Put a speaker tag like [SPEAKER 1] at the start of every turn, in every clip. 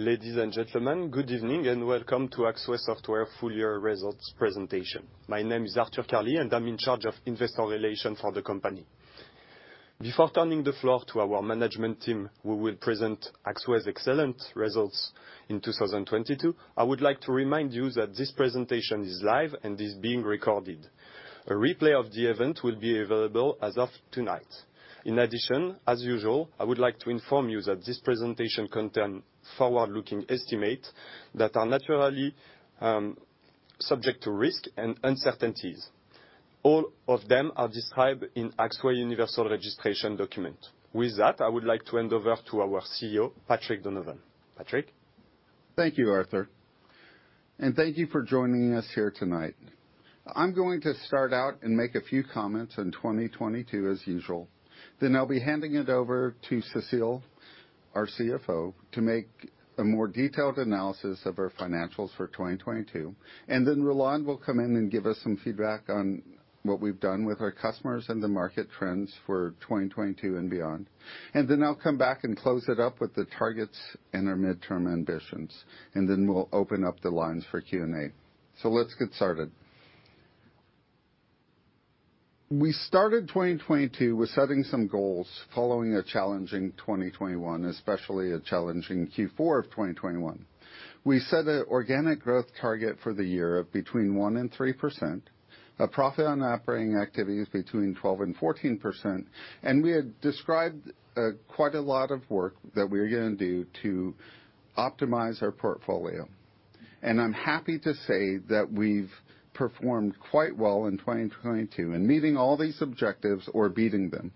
[SPEAKER 1] Ladies and gentlemen, good evening and welcome to Axway Software Full Year Results Presentation. My name is Arthur Carli, and I'm in charge of Investor Relations for the company. Before turning the floor to our Management Team, who will present Axway's excellent results in 2022, I would like to remind you that this presentation is live and is being recorded. A replay of the event will be available as of tonight. In addition, as usual, I would like to inform you that this presentation contains forward-looking estimates that are naturally subject to risk and uncertainties. All of them are described in Axway universal registration document. With that, I would like to hand over to our CEO, Patrick Donovan. Patrick.
[SPEAKER 2] Thank you, Arthur. Thank you for joining us here tonight. I'm going to start out and make a few comments on 2022 as usual, then I'll be handing it over to Cécile, our CFO, to make a more detailed analysis of our financials for 2022. Roland will come in and give us some feedback on what we've done with our customers and the market trends for 2022 and beyond. I'll come back and close it up with the targets and our midterm ambitions, and then we'll open up the lines for Q&A. Let's get started. We started 2022 with setting some goals following a challenging 2021, especially a challenging Q4 of 2021. We set an organic growth target for the year of between 1% and 3%, a profit on operating activities between 12% and 14%. We had described quite a lot of work that we're gonna do to optimize our portfolio. I'm happy to say that we've performed quite well in 2022 in meeting all these objectives or beating them.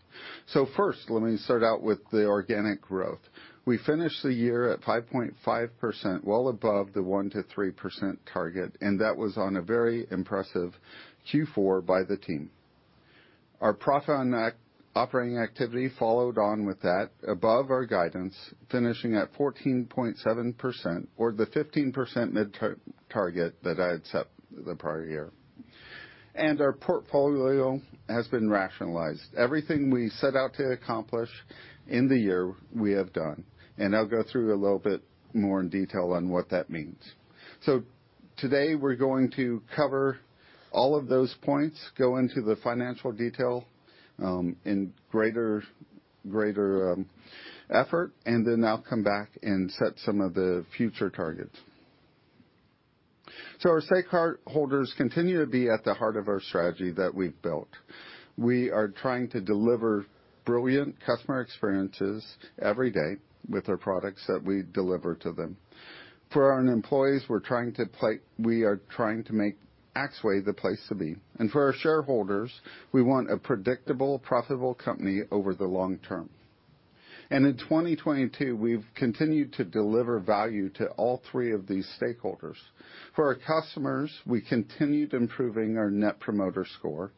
[SPEAKER 2] First, let me start out with the organic growth. We finished the year at 5.5%, well above the 1%-3% target, and that was on a very impressive Q4 by the team. Our profit on operating activity followed on with that above our guidance, finishing at 14.7% or the 15% mid-term target that I had set the prior year. Our portfolio has been rationalized. Everything we set out to accomplish in the year we have done, and I'll go through a little bit more in detail on what that means. Today we're going to cover all of those points, go into the financial detail in greater effort, and then I'll come back and set some of the future targets. Our stakeholders continue to be at the heart of our strategy that we've built. We are trying to deliver brilliant customer experiences every day with the products that we deliver to them. For our own employees, we are trying to make Axway the place to be. For our shareholders, we want a predictable, profitable company over the long term. In 2022, we've continued to deliver value to all three of these stakeholders. For our customers, we continued improving our Net Promoter Score.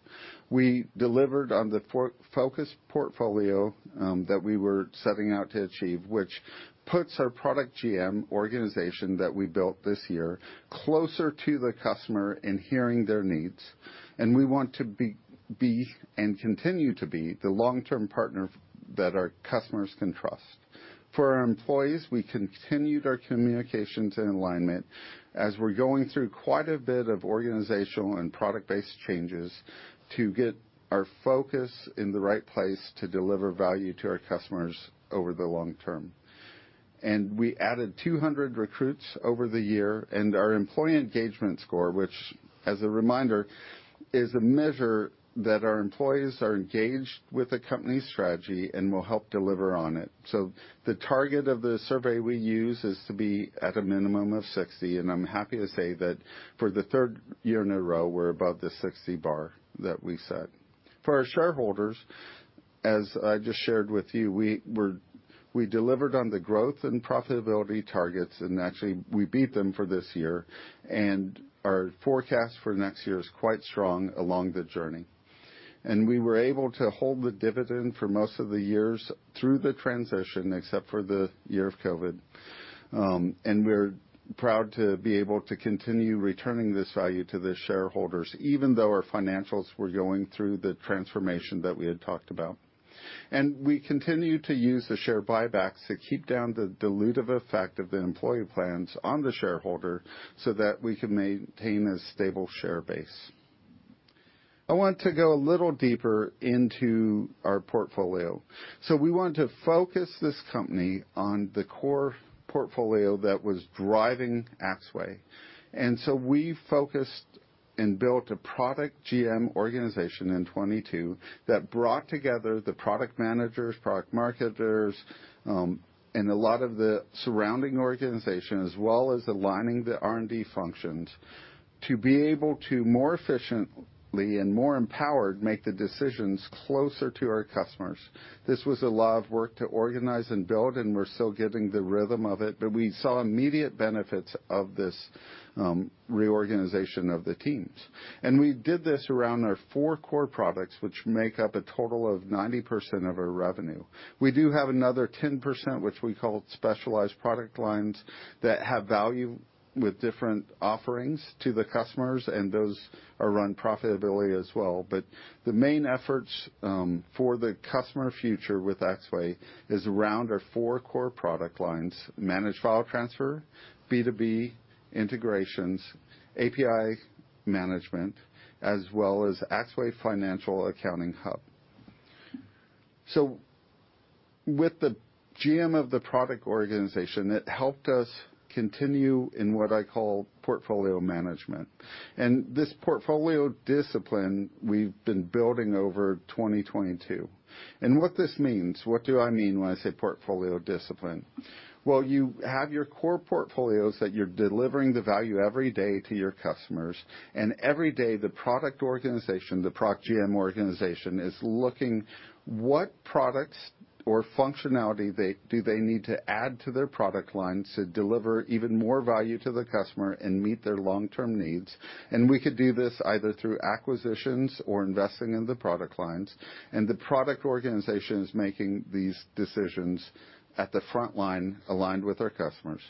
[SPEAKER 2] We delivered on the focused portfolio that we were setting out to achieve, which puts our product GM organization that we built this year closer to the customer in hearing their needs. We want to be and continue to be the long-term partner that our customers can trust. For our employees, we continued our communications and alignment as we're going through quite a bit of organizational and product-based changes to get our focus in the right place to deliver value to our customers over the long term. We added 200 recruits over the year. Our employee engagement score, which as a reminder, is a measure that our employees are engaged with the company's strategy and will help deliver on it. The target of the survey we use is to be at a minimum of 60, and I'm happy to say that for the third year in a row, we're above the 60 bar that we set. For our shareholders, as I just shared with you, we delivered on the growth and profitability targets, and actually we beat them for this year, and our forecast for next year is quite strong along the journey. We were able to hold the dividend for most of the years through the transition, except for the year of COVID. We're proud to be able to continue returning this value to the shareholders, even though our financials were going through the transformation that we had talked about. We continue to use the share buybacks to keep down the dilutive effect of the employee plans on the shareholder so that we can maintain a stable share base. I want to go a little deeper into our portfolio. We want to focus this company on the core portfolio that was driving Axway. We focused and built a product GM organization in 22 that brought together the product managers, product marketers, and a lot of the surrounding organization, as well as aligning the R&D functions to be able to more efficiently and more empowered, make the decisions closer to our customers. This was a lot of work to organize and build, and we're still getting the rhythm of it, but we saw immediate benefits of this reorganization of the teams. We did this around our four core products, which make up a total of 90% of our revenue. We do have another 10%, which we call specialized product lines, that have value with different offerings to the customers, and those are run profitability as well. The main efforts for the customer future with Axway is around our four core product lines, Managed File Transfer, B2B, Integrations, API Management as well as Axway Financial Accounting Hub. With the GM of the product organization, it helped us continue in what I call portfolio management. This portfolio discipline we've been building over 2022. What this means, what do I mean when I say portfolio discipline? Well, you have your core portfolios that you're delivering the value every day to your customers. Every day the product organization, the product GM organization, is looking what products or functionality they need to add to their product line to deliver even more value to the customer and meet their long-term needs. We could do this either through acquisitions or investing in the product lines. The product organization is making these decisions at the front line aligned with our customers.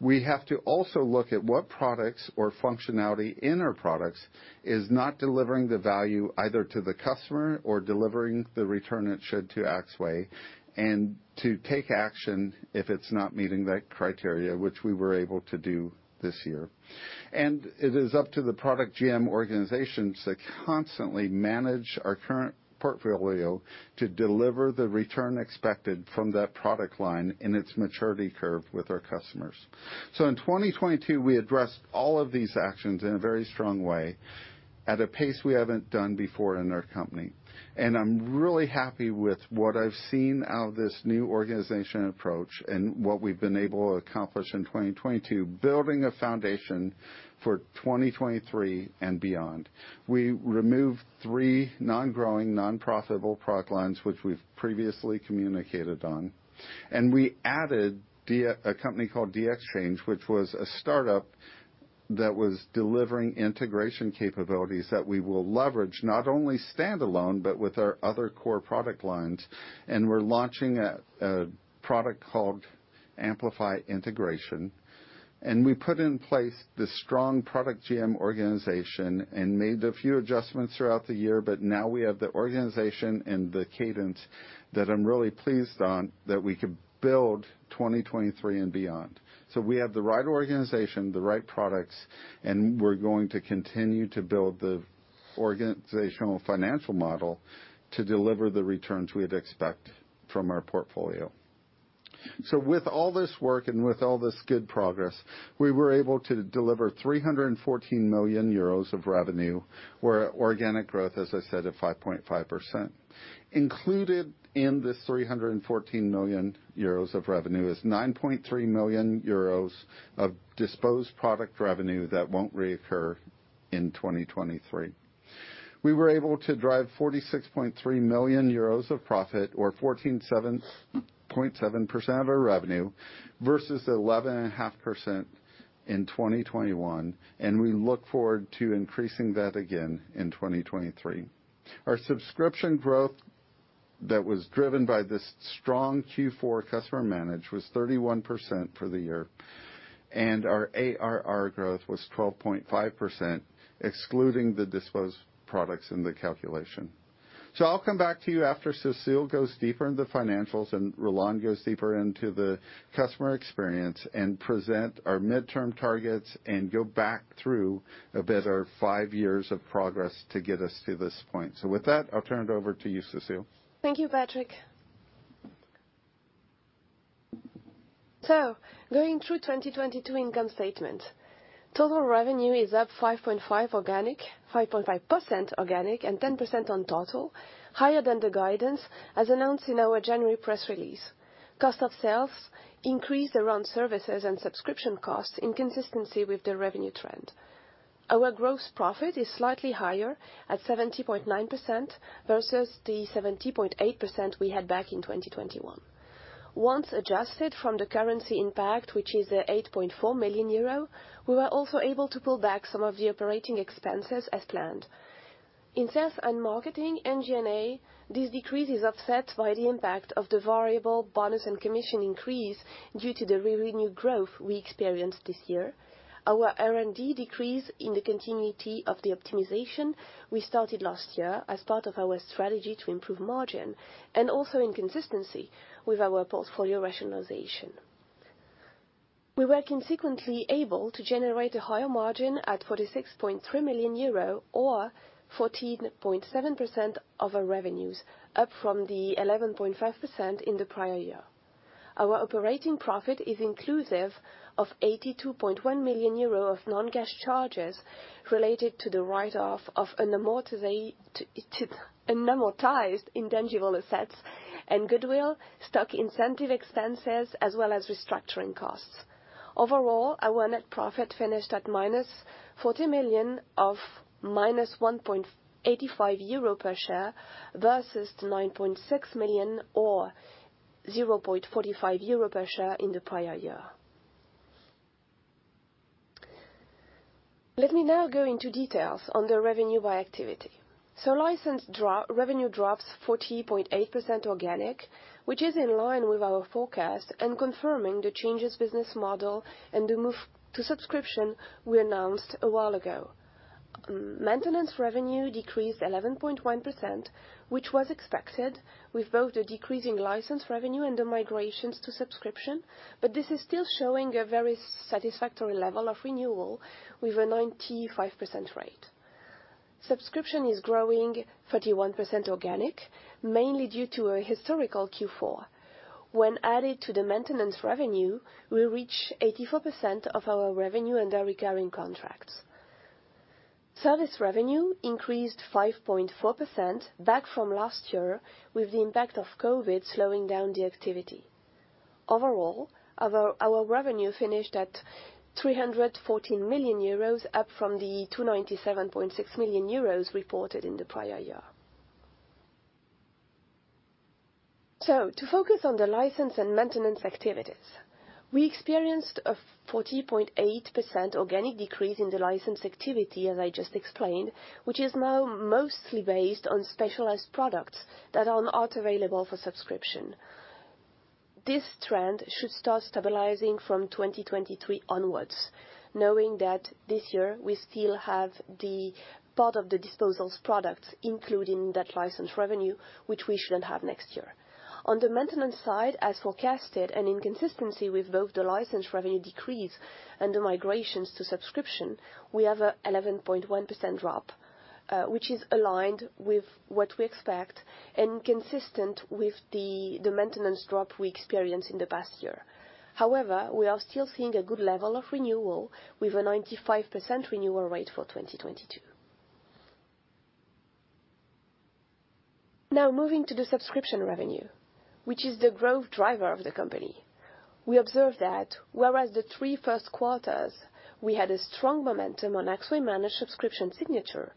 [SPEAKER 2] We have to also look at what products or functionality in our products is not delivering the value either to the customer or delivering the return it should to Axway, and to take action if it's not meeting that criteria, which we were able to do this year. It is up to the product GM organizations to constantly manage our current portfolio to deliver the return expected from that product line in its maturity curve with our customers. In 2022, we addressed all of these actions in a very strong way at a pace we haven't done before in our company. I'm really happy with what I've seen out of this new organization approach and what we've been able to accomplish in 2022, building a foundation for 2023 and beyond. We removed three non-growing, non-profitable product lines, which we've previously communicated on. We added a company called DXChange.io, which was a startup that was delivering integration capabilities that we will leverage, not only standalone, but with our other core product lines. We're launching a product called Amplify Integration. We put in place the strong product GM organization and made a few adjustments throughout the year, but now we have the organization and the cadence that I'm really pleased on that we could build 2023 and beyond. We have the right organization, the right products, and we're going to continue to build the organizational financial model to deliver the returns we'd expect from our portfolio. With all this work and with all this good progress, we were able to deliver 314 million euros of revenue, where organic growth, as I said, at 5.5%. Included in this 314 million euros of revenue is 9.3 million euros of disposed product revenue that won't reoccur in 2023. We were able to drive 46.3 million euros of profit, or 14.7% of our revenue, versus 11.5% in 2021. We look forward to increasing that again in 2023. Our subscription growth that was driven by this strong Q4 Customer Managed was 31% for the year, and our ARR growth was 12.5%, excluding the disposed products in the calculation. I'll come back to you after Cécile goes deeper into financials and Roland goes deeper into the customer experience and present our midterm targets and go back through a better 5 years of progress to get us to this point. With that, I'll turn it over to you, Cécile.
[SPEAKER 3] Thank you, Patrick. Going through 2022 income statement. Total revenue is up 5.5% organic and 10% on total, higher than the guidance, as announced in our January press release. Cost of sales increased around services and subscription costs in consistency with the revenue trend. Our gross profit is slightly higher at 70.9% versus the 70.8% we had back in 2021. Once adjusted from the currency impact, which is the 8.4 million euro, we were also able to pull back some of the operating expenses as planned. In sales and marketing and G&A, this decrease is offset by the impact of the variable bonus and commission increase due to the revenue growth we experienced this year. Our R&D decrease in the continuity of the optimization we started last year as part of our strategy to improve margin and also in consistency with our portfolio rationalization. We were consequently able to generate a higher margin at 46.3 million euro or 14.7% of our revenues, up from the 11.5% in the prior year. Our operating profit is inclusive of 82.1 million euro of non-cash charges related to the write-off of an amortized intangible assets and goodwill, stock incentive expenses, as well as restructuring costs. Our net profit finished at -40 million of -1.85 euro per share versus 9.6 million or 0.45 euro per share in the prior year. Let me now go into details on the revenue by activity. License revenue drops 40.8% organic, which is in line with our forecast and confirming the changes business model and the move to subscription we announced a while ago. Maintenance revenue decreased 11.1%, which was expected with both the decreasing license revenue and the migrations to subscription, but this is still showing a very satisfactory level of renewal with a 95% rate. Subscription is growing 31% organic, mainly due to a historical Q4. When added to the maintenance revenue, we reach 84% of our revenue under recurring contracts. Service revenue increased 5.4% back from last year, with the impact of COVID slowing down the activity. Overall, our revenue finished at 314 million euros, up from the 297.6 million euros reported in the prior year. To focus on the license and maintenance activities, we experienced a 40.8% organic decrease in the license activity, as I just explained, which is now mostly based on specialized products that are not available for subscription. This trend should start stabilizing from 2023 onwards, knowing that this year we still have the part of the disposals products, including that license revenue, which we shouldn't have next year. On the maintenance side, as forecasted, and in consistency with both the license revenue decrease and the migrations to subscription, we have an 11.1% drop, which is aligned with what we expect and consistent with the maintenance drop we experienced in the past year. However, we are still seeing a good level of renewal with a 95% renewal rate for 2022. Now moving to the subscription revenue, which is the growth driver of the company. We observed that whereas the three first quarters we had a strong momentum on Axway Managed subscription signature,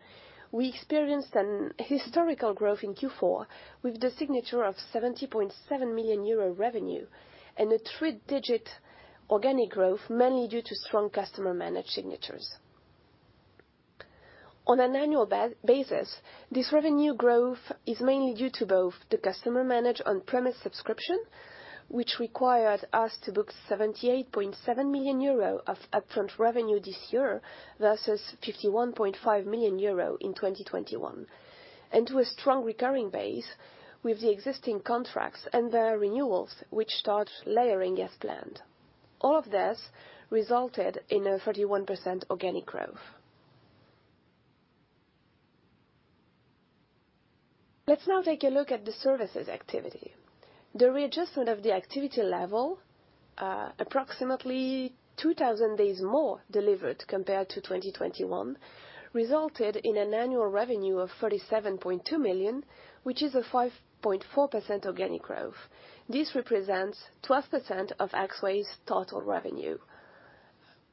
[SPEAKER 3] we experienced an historical growth in Q4 with the signature of 70.7 million euro revenue and a 3-digit organic growth, mainly due to strong Customer Managed signatures. On an annual basis, this revenue growth is mainly due to both the Customer Managed on-premise subscription, which required us to book 78.7 million euro of upfront revenue this year, versus 51.5 million euro in 2021. To a strong recurring base with the existing contracts and their renewals, which start layering as planned. All of this resulted in a 31% organic growth. Let's now take a look at the services activity. The readjustment of the activity level, approximately 2,000 days more delivered compared to 2021, resulted in an annual revenue of 37.2 million, which is a 5.4% organic growth. This represents 12% of Axway's total revenue.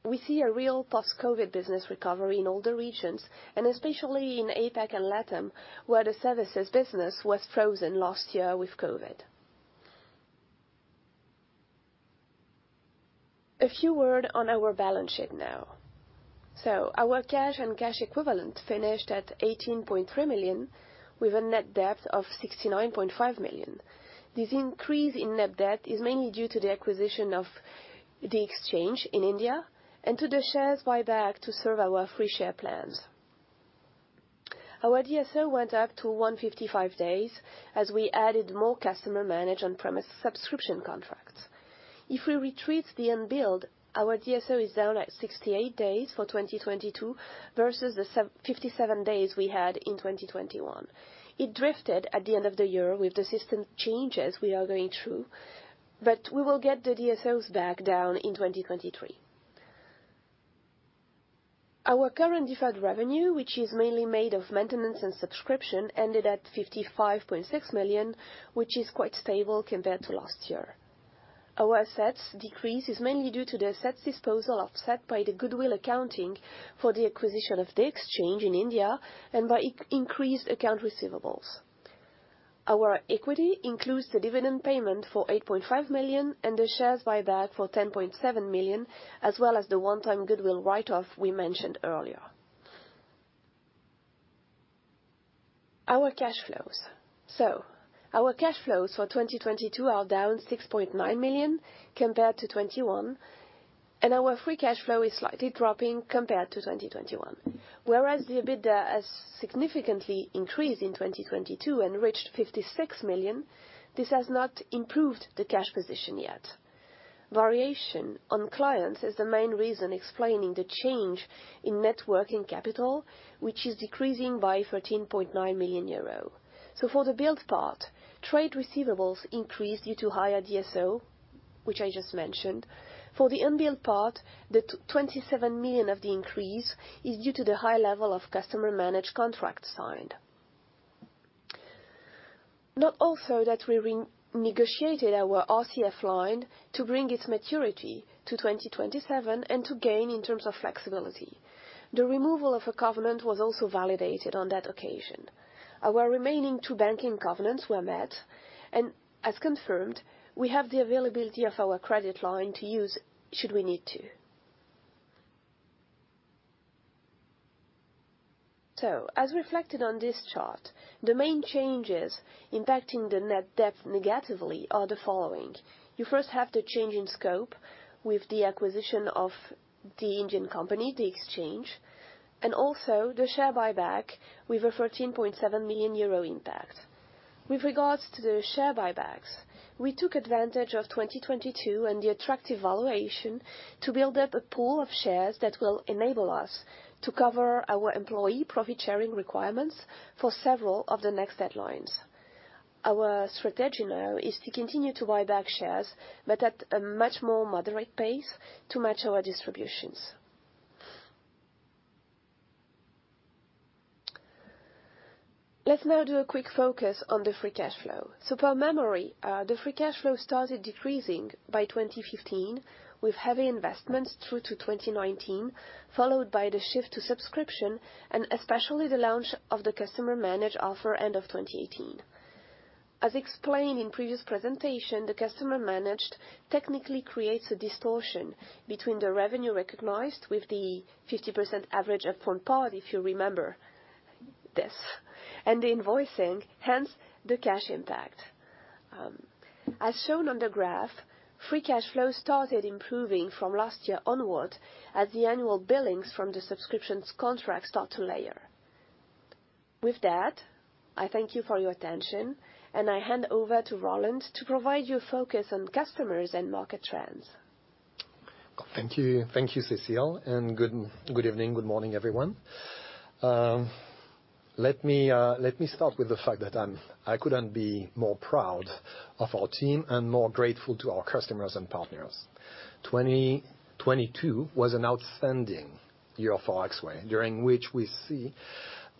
[SPEAKER 3] We see a real post-COVID business recovery in all the regions, and especially in APAC and LATAM, where the services business was frozen last year with COVID. A few word on our balance sheet now. Our cash and cash equivalent finished at 18.3 million, with a net debt of 69.5 million. This increase in net debt is mainly due to the acquisition of the exchange in India and to the shares buyback to serve our free share plans. Our DSO went up to 155 days as we added more Customer Managed on-premise subscription contracts. If we retreat the unbilled, our DSO is down at 68 days for 2022 versus the 57 days we had in 2021. It drifted at the end of the year with the system changes we are going through, but we will get the DSOs back down in 2023. Our current deferred revenue, which is mainly made of maintenance and subscription, ended at 55.6 million, which is quite stable compared to last year. Our assets decrease is mainly due to the assets disposal, offset by the goodwill accounting for the acquisition of DXChange.io in India and by increased account receivables. Our equity includes the dividend payment for 8.5 million and the shares buyback for 10.7 million, as well as the one-time goodwill write-off we mentioned earlier. Our cash flows. Our cash flows for 2022 are down 6.9 million compared to 2021, and our free cash flow is slightly dropping compared to 2021. Whereas the EBITDA has significantly increased in 2022 and reached 56 million, this has not improved the cash position yet. Variation on clients is the main reason explaining the change in net working capital, which is decreasing by 13.9 million euro. For the billed part, trade receivables increased due to higher DSO, which I just mentioned. For the unbilled part, the 27 million of the increase is due to the high level of Customer Managed contracts signed. Note also that we renegotiated our RCF line to bring its maturity to 2027 and to gain in terms of flexibility. The removal of a covenant was also validated on that occasion. Our remaining 2 banking covenants were met and as confirmed, we have the availability of our credit line to use should we need to. As reflected on this chart, the main changes impacting the net debt negatively are the following. You first have the change in scope with the acquisition of the Indian company, the exchange, and also the share buyback with a 13.7 million euro impact. With regards to the share buybacks, we took advantage of 2022 and the attractive valuation to build up a pool of shares that will enable us to cover our employee profit sharing requirements for several of the next deadlines. Our strategy now is to continue to buy back shares, but at a much more moderate pace to match our distributions. Let's now do a quick focus on the free cash flow. Per memory, the free cash flow started decreasing by 2015 with heavy investments through to 2019, followed by the shift to subscription and especially the launch of the Customer Managed offer end of 2018. As explained in previous presentation, the Customer Managed technically creates a distortion between the revenue recognized with the 50% average upfront part, if you remember this, and the invoicing, hence the cash impact. As shown on the graph, free cash flow started improving from last year onward as the annual billings from the subscriptions contract start to layer. With that, I thank you for your attention, and I hand over to Roland to provide you focus on customers and market trends.
[SPEAKER 4] Thank you, Cécile, good evening, good morning, everyone. Let me start with the fact that I couldn't be more proud of our team and more grateful to our customers and partners. 2022 was an outstanding year for Axway, during which we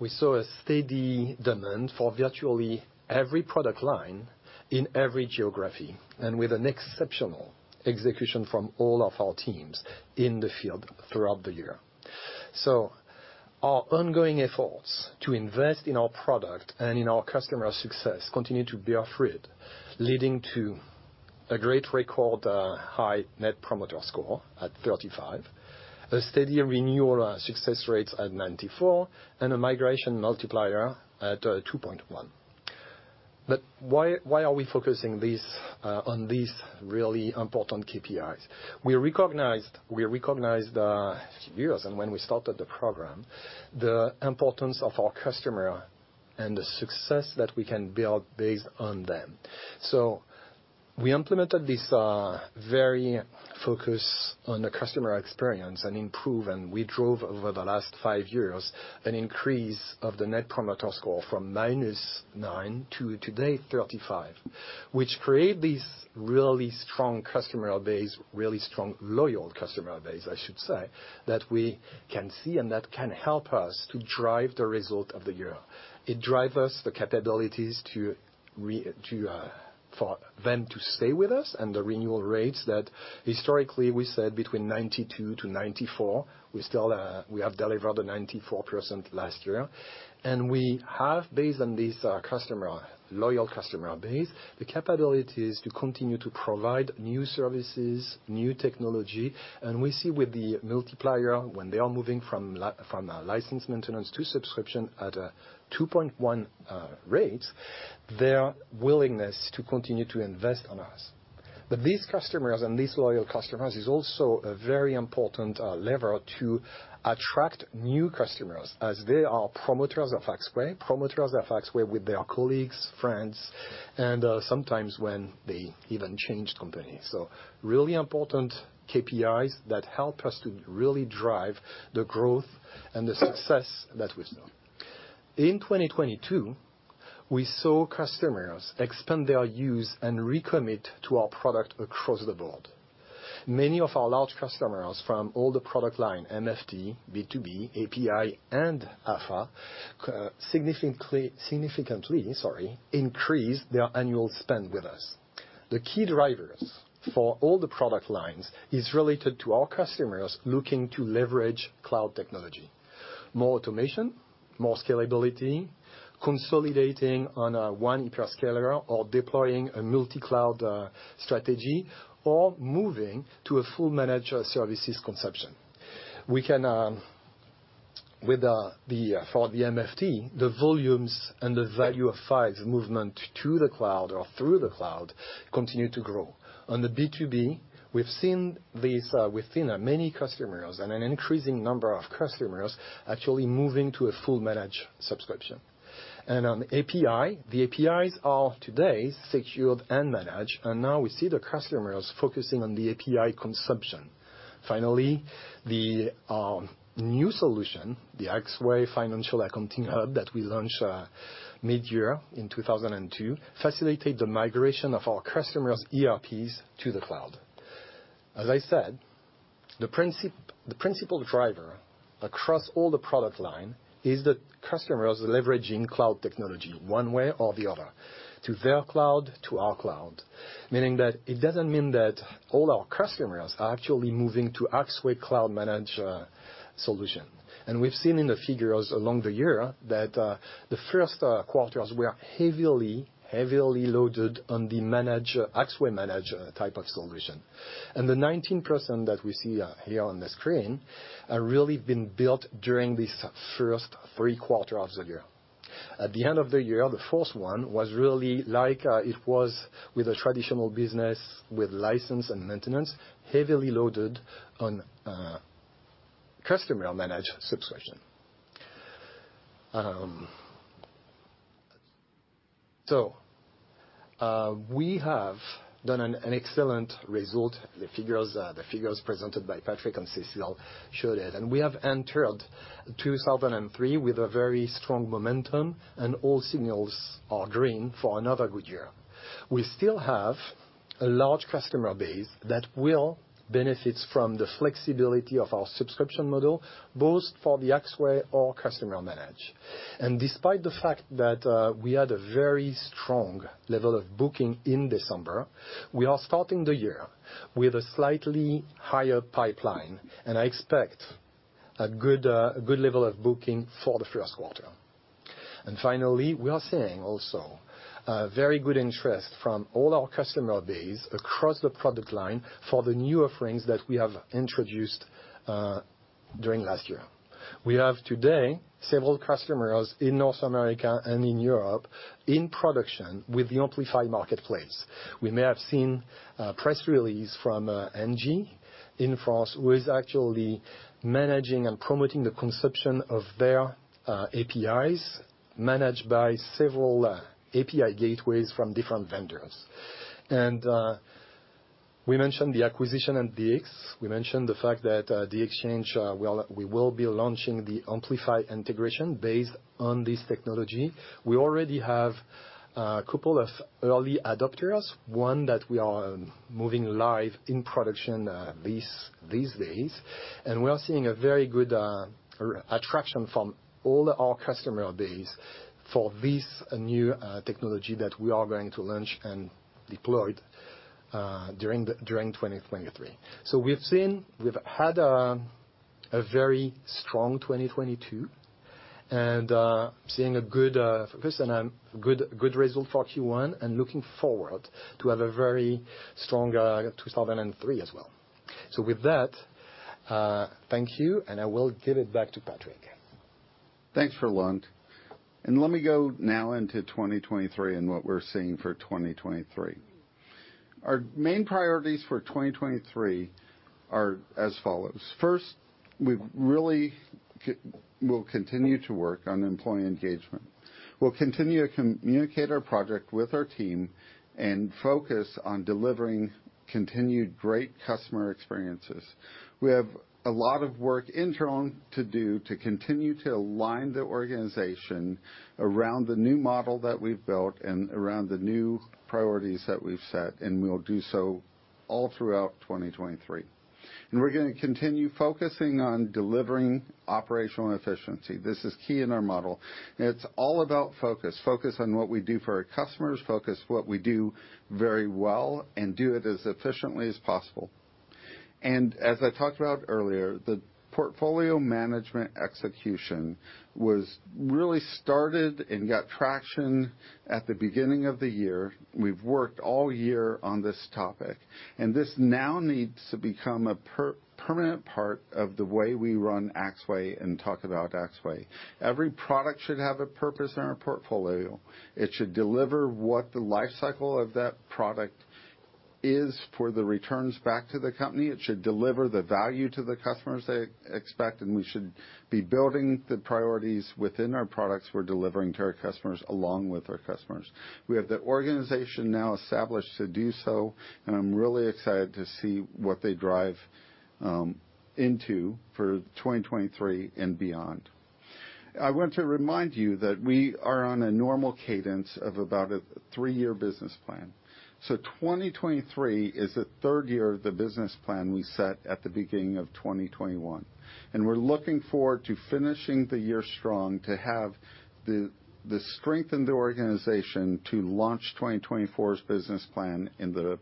[SPEAKER 4] saw a steady demand for virtually every product line in every geography and with an exceptional execution from all of our teams in the field throughout the year. Our ongoing efforts to invest in our product and in our customer success continue to bear fruit, leading to a great record, high net promoter score at 35, a steady renewal success rates at 94%, and a migration multiplier at 2.1x. Why are we focusing this on these really important KPIs? We recognized, a few years and when we started the program, the importance of our customer and the success that we can build based on them. So we implemented this very focus on the customer experience and improve, and we drove over the last five years an increase of the net promoter score from -9 to today 35, which create this really strong customer base, really strong loyal customer base, I should say, that we can see and that can help us to drive the result of the year. It drive us the capabilities to for them to stay with us and the renewal rates that historically we said between 92%-94%. We still, we have delivered a 94% last year. We have, based on this, customer, loyal customer base, the capabilities to continue to provide new services, new technology. We see with the multiplier when they are moving from license maintenance to subscription at a 2.1 rate, their willingness to continue to invest on us. These customers and these loyal customers is also a very important lever to attract new customers as they are promoters of Axway, promoters of Axway with their colleagues, friends, and sometimes when they even change company. Really important KPIs that help us to really drive the growth and the success that we've seen. In 2022, we saw customers expand their use and recommit to our product across the board. Many of our large customers from all the product line, MFT, B2B, API, and AFAH, sorry, significantly increased their annual spend with us. The key drivers for all the product lines is related to our customers looking to leverage cloud technology. More automation, more scalability, consolidating on 1 hyperscaler or deploying a multi-cloud strategy, or moving to a full managed services consumption. We can, with the, for the MFT, the volumes and the value of files movement to the cloud or through the cloud continue to grow. On the B2B, we've seen this within many customers and an increasing number of customers actually moving to a full managed subscription. On API, the APIs are today secured and managed, and now we see the customers focusing on the API consumption. Finally, the new solution, the Axway Financial Accounting Hub that we launched mid-year in 2002, facilitated the migration of our customers' ERPs to the cloud. As I said, the principal driver across all the product line is the customers leveraging cloud technology one way or the other, to their cloud, to our cloud. Meaning that it doesn't mean that all our customers are actually moving to Axway cloud managed solution. We've seen in the figures along the year that the first quarters were heavily loaded on the Axway Managed type of solution. The 19% that we see here on the screen are really been built during these first 3 quarters of the year. At the end of the year, the fourth one was really like, it was with a traditional business with license and maintenance, heavily loaded on Customer Managed subscription. We have done an excellent result. The figures presented by Patrick and Cécile showed it. We have entered 2003 with a very strong momentum, and all signals are green for another good year. We still have a large customer base that will benefit from the flexibility of our subscription model, both for the Axway or Customer Managed. Despite the fact that we had a very strong level of booking in December, we are starting the year with a slightly higher pipeline, and I expect a good level of booking for the first quarter. Finally, we are seeing also a very good interest from all our customer base across the product line for the new offerings that we have introduced during last year. We have today several customers in North America and in Europe in production with the Amplify Marketplace. We may have seen a press release from NGE in France, who is actually managing and promoting the consumption of their APIs managed by several API gateways from different vendors. We mentioned the acquisition at DX. We mentioned the fact that the exchange we will be launching the Amplify Integration based on this technology. We already have a couple of early adopters, one that we are moving live in production these days. We are seeing a very good attraction from all our customer base for this new technology that we are going to launch and deploy during 2023. We've had a very strong 2022 and seeing a good focus and a good result for Q1 and looking forward to have a very strong 2003 as well. With that, thank you, and I will give it back to Patrick.
[SPEAKER 2] Thanks, Roland. Let me go now into 2023 and what we're seeing for 2023. Our main priorities for 2023 are as follows. First, we'll continue to work on employee engagement. We'll continue to communicate our project with our team and focus on delivering continued great customer experiences. We have a lot of work internally to do to continue to align the organization around the new model that we've built and around the new priorities that we've set, and we'll do so all throughout 2023. We're gonna continue focusing on delivering operational efficiency. This is key in our model. It's all about focus. Focus on what we do for our customers, focus what we do very well and do it as efficiently as possible. As I talked about earlier, the portfolio management execution was really started and got traction at the beginning of the year. We've worked all year on this topic, and this now needs to become a permanent part of the way we run Axway and talk about Axway. Every product should have a purpose in our portfolio. It should deliver what the life cycle of that product is for the returns back to the company. It should deliver the value to the customers they expect, and we should be building the priorities within our products we're delivering to our customers along with our customers. We have the organization now established to do so, and I'm really excited to see what they drive into for 2023 and beyond. I want to remind you that we are on a normal cadence of about a three-year business plan. 2023 is the third year of the business plan we set at the beginning of 2021, and we're looking forward to finishing the year strong to have the strength in the organization to launch 2024's business plan in the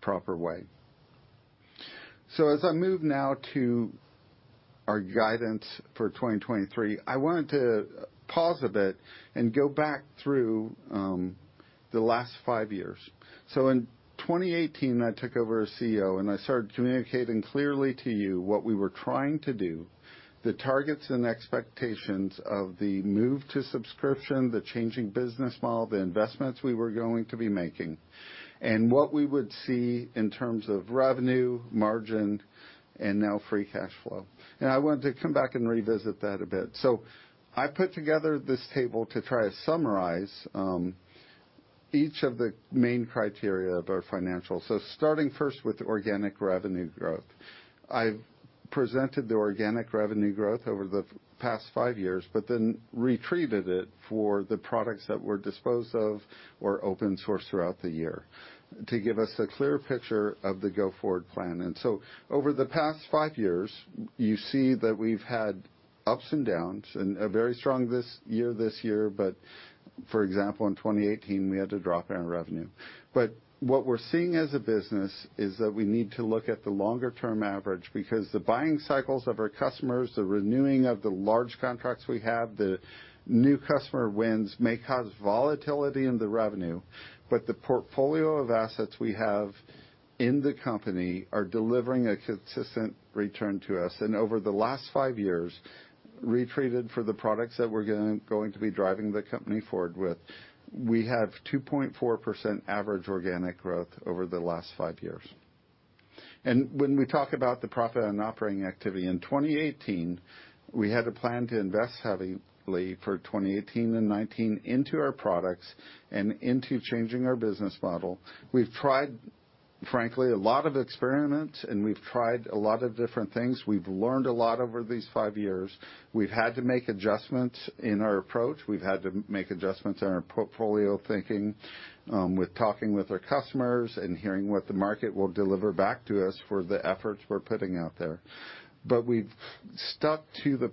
[SPEAKER 2] proper way. As I move now to our guidance for 2023, I wanted to pause a bit and go back through the last 5 years. In 2018, I took over as CEO, and I started communicating clearly to you what we were trying to do, the targets and expectations of the move to subscription, the changing business model, the investments we were going to be making, and what we would see in terms of revenue, margin, and now free cash flow. I want to come back and revisit that a bit. I put together this table to try to summarize, each of the main criteria of our financials. Starting first with organic revenue growth. I presented the organic revenue growth over the past five years, but then retreated it for the products that were disposed of or open sourced throughout the year to give us a clear picture of the go-forward plan. Over the past five years, you see that we've had ups and downs and a very strong this year, for example, in 2018, we had to drop our revenue. What we're seeing as a business is that we need to look at the longer-term average because the buying cycles of our customers, the renewing of the large contracts we have, the new customer wins may cause volatility in the revenue, but the portfolio of assets we have in the company are delivering a consistent return to us. Over the last five yearsRetreated for the products that we're going to be driving the company forward with. We have 2.4% average organic growth over the last five years. When we talk about the profit and operating activity, in 2018, we had a plan to invest heavily for 2018 and 2019 into our products and into changing our business model. We've tried, frankly, a lot of experiments, and we've tried a lot of different things. We've learned a lot over these five years. We've had to make adjustments in our approach. We've had to make adjustments in our portfolio thinking, with talking with our customers and hearing what the market will deliver back to us for the efforts we're putting out there. We've stuck to the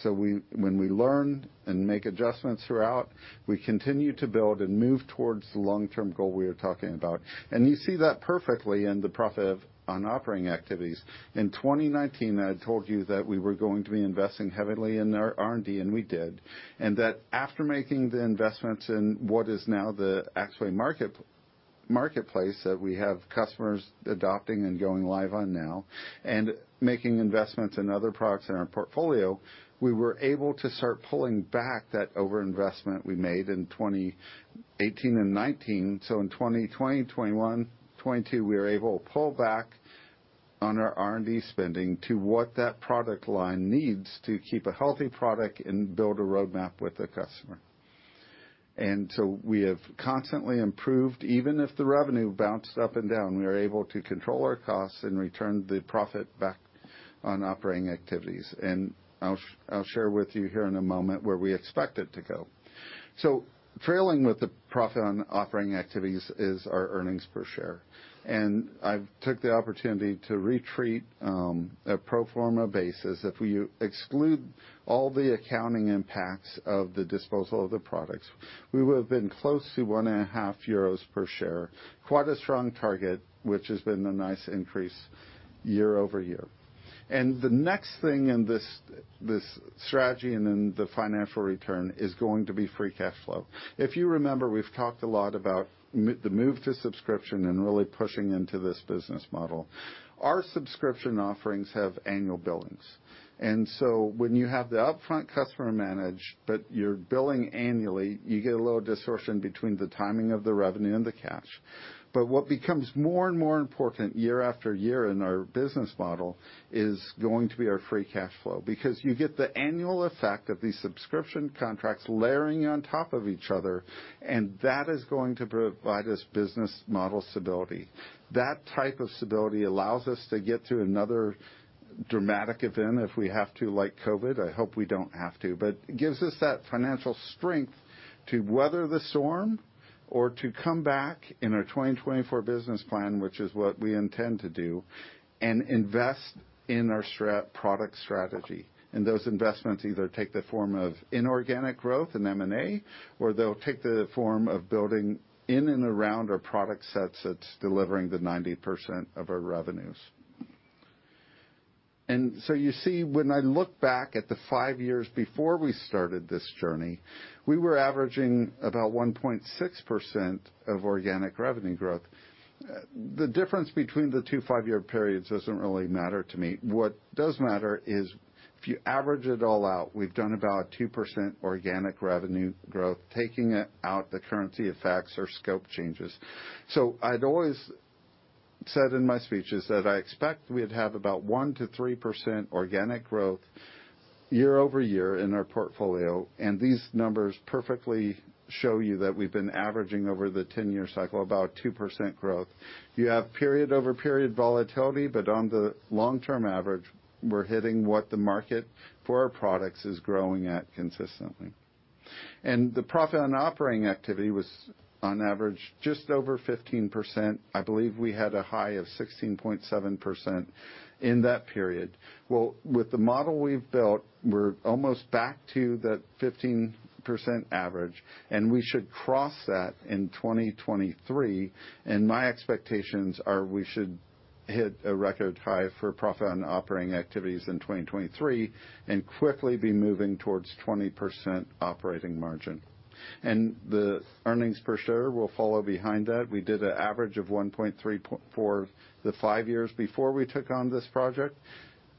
[SPEAKER 2] plan. When we learn and make adjustments throughout, we continue to build and move towards the long-term goal we are talking about. You see that perfectly in the profit from operating activities. In 2019, I had told you that we were going to be investing heavily in our R&D. We did. After making the investments in what is now the Axway Marketplace that we have customers adopting and going live on now, and making investments in other products in our portfolio, we were able to start pulling back that overinvestment we made in 2018 and 2019. In 2020, 2021, 2022, we were able to pull back on our R&D spending to what that product line needs to keep a healthy product and build a roadmap with the customer. We have constantly improved. Even if the revenue bounced up and down, we were able to control our costs and return the profit back on operating activities. I'll share with you here in a moment where we expect it to go. Trailing with the profit from operating activities is our earnings per share. I took the opportunity to retreat a pro forma basis. If we exclude all the accounting impacts of the disposal of the products, we would have been close to one and a half EUR per share. Quite a strong target, which has been a nice increase year-over-year. The next thing in this strategy and in the financial return is going to be free cash flow. If you remember, we've talked a lot about the move to subscription and really pushing into this business model. Our subscription offerings have annual billings. When you have the upfront Customer Managed, but you're billing annually, you get a little distortion between the timing of the revenue and the cash. What becomes more and more important year after year in our business model is going to be our free cash flow because you get the annual effect of these subscription contracts layering on top of each other, and that is going to provide us business model stability. That type of stability allows us to get through another dramatic event if we have to, like COVID. I hope we don't have to. It gives us that financial strength to weather the storm or to come back in our 2024 business plan, which is what we intend to do, and invest in our product strategy. Those investments either take the form of inorganic growth in M&A, or they'll take the form of building in and around our product sets that's delivering the 90% of our revenues. You see, when I look back at the five years before we started this journey, we were averaging about 1.6% of organic revenue growth. The difference between the two five-year periods doesn't really matter to me. What does matter is if you average it all out, we've done about 2% organic revenue growth, taking out the currency effects or scope changes. I'd always said in my speeches that I expect we'd have about 1%-3% organic growth year-over-year in our portfolio. These numbers perfectly show you that we've been averaging over the 10-year cycle about 2% growth. You have period-over-period volatility, on the long-term average, we're hitting what the market for our products is growing at consistently. The profit on operating activity was on average, just over 15%. I believe we had a high of 16.7% in that period. Well, with the model we've built, we're almost back to that 15% average, and we should cross that in 2023. My expectations are we should hit a record high for profit from operating activities in 2023 and quickly be moving towards 20% operating margin. The earnings per share will follow behind that. We did an average of 1.3 point for the 5 years before we took on this project.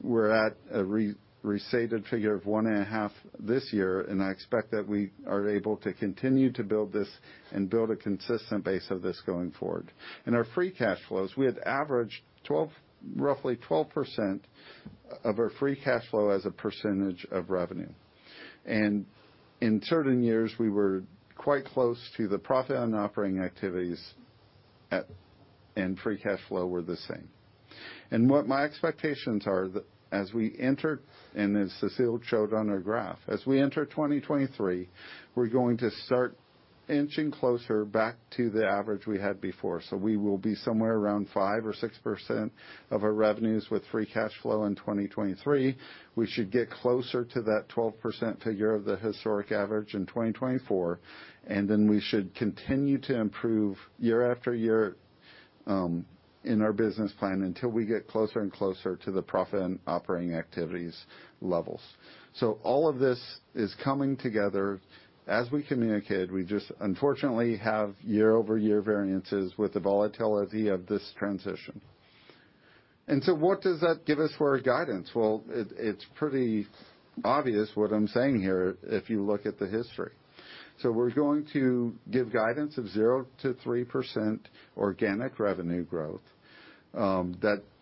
[SPEAKER 2] We're at a re-restated figure of 1.5 this year, I expect that we are able to continue to build this and build a consistent base of this going forward. In our free cash flows, we had averaged roughly 12% of our free cash flow as a percentage of revenue. In certain years, we were quite close to the profit from operating activities at, and free cash flow were the same. What my expectations are as we enter, and as Cécile showed on her graph, as we enter 2023, we're going to start inching closer back to the average we had before. We will be somewhere around 5% or 6% of our revenues with free cash flow in 2023. We should get closer to that 12% figure of the historic average in 2024, we should continue to improve year after year in our business plan until we get closer and closer to the profit and operating activities levels. All of this is coming together. As we communicated, we just unfortunately have year-over-year variances with the volatility of this transition. What does that give us for our guidance? Well, it's pretty obvious what I'm saying here, if you look at the history. We're going to give guidance of 0%-3% organic revenue growth.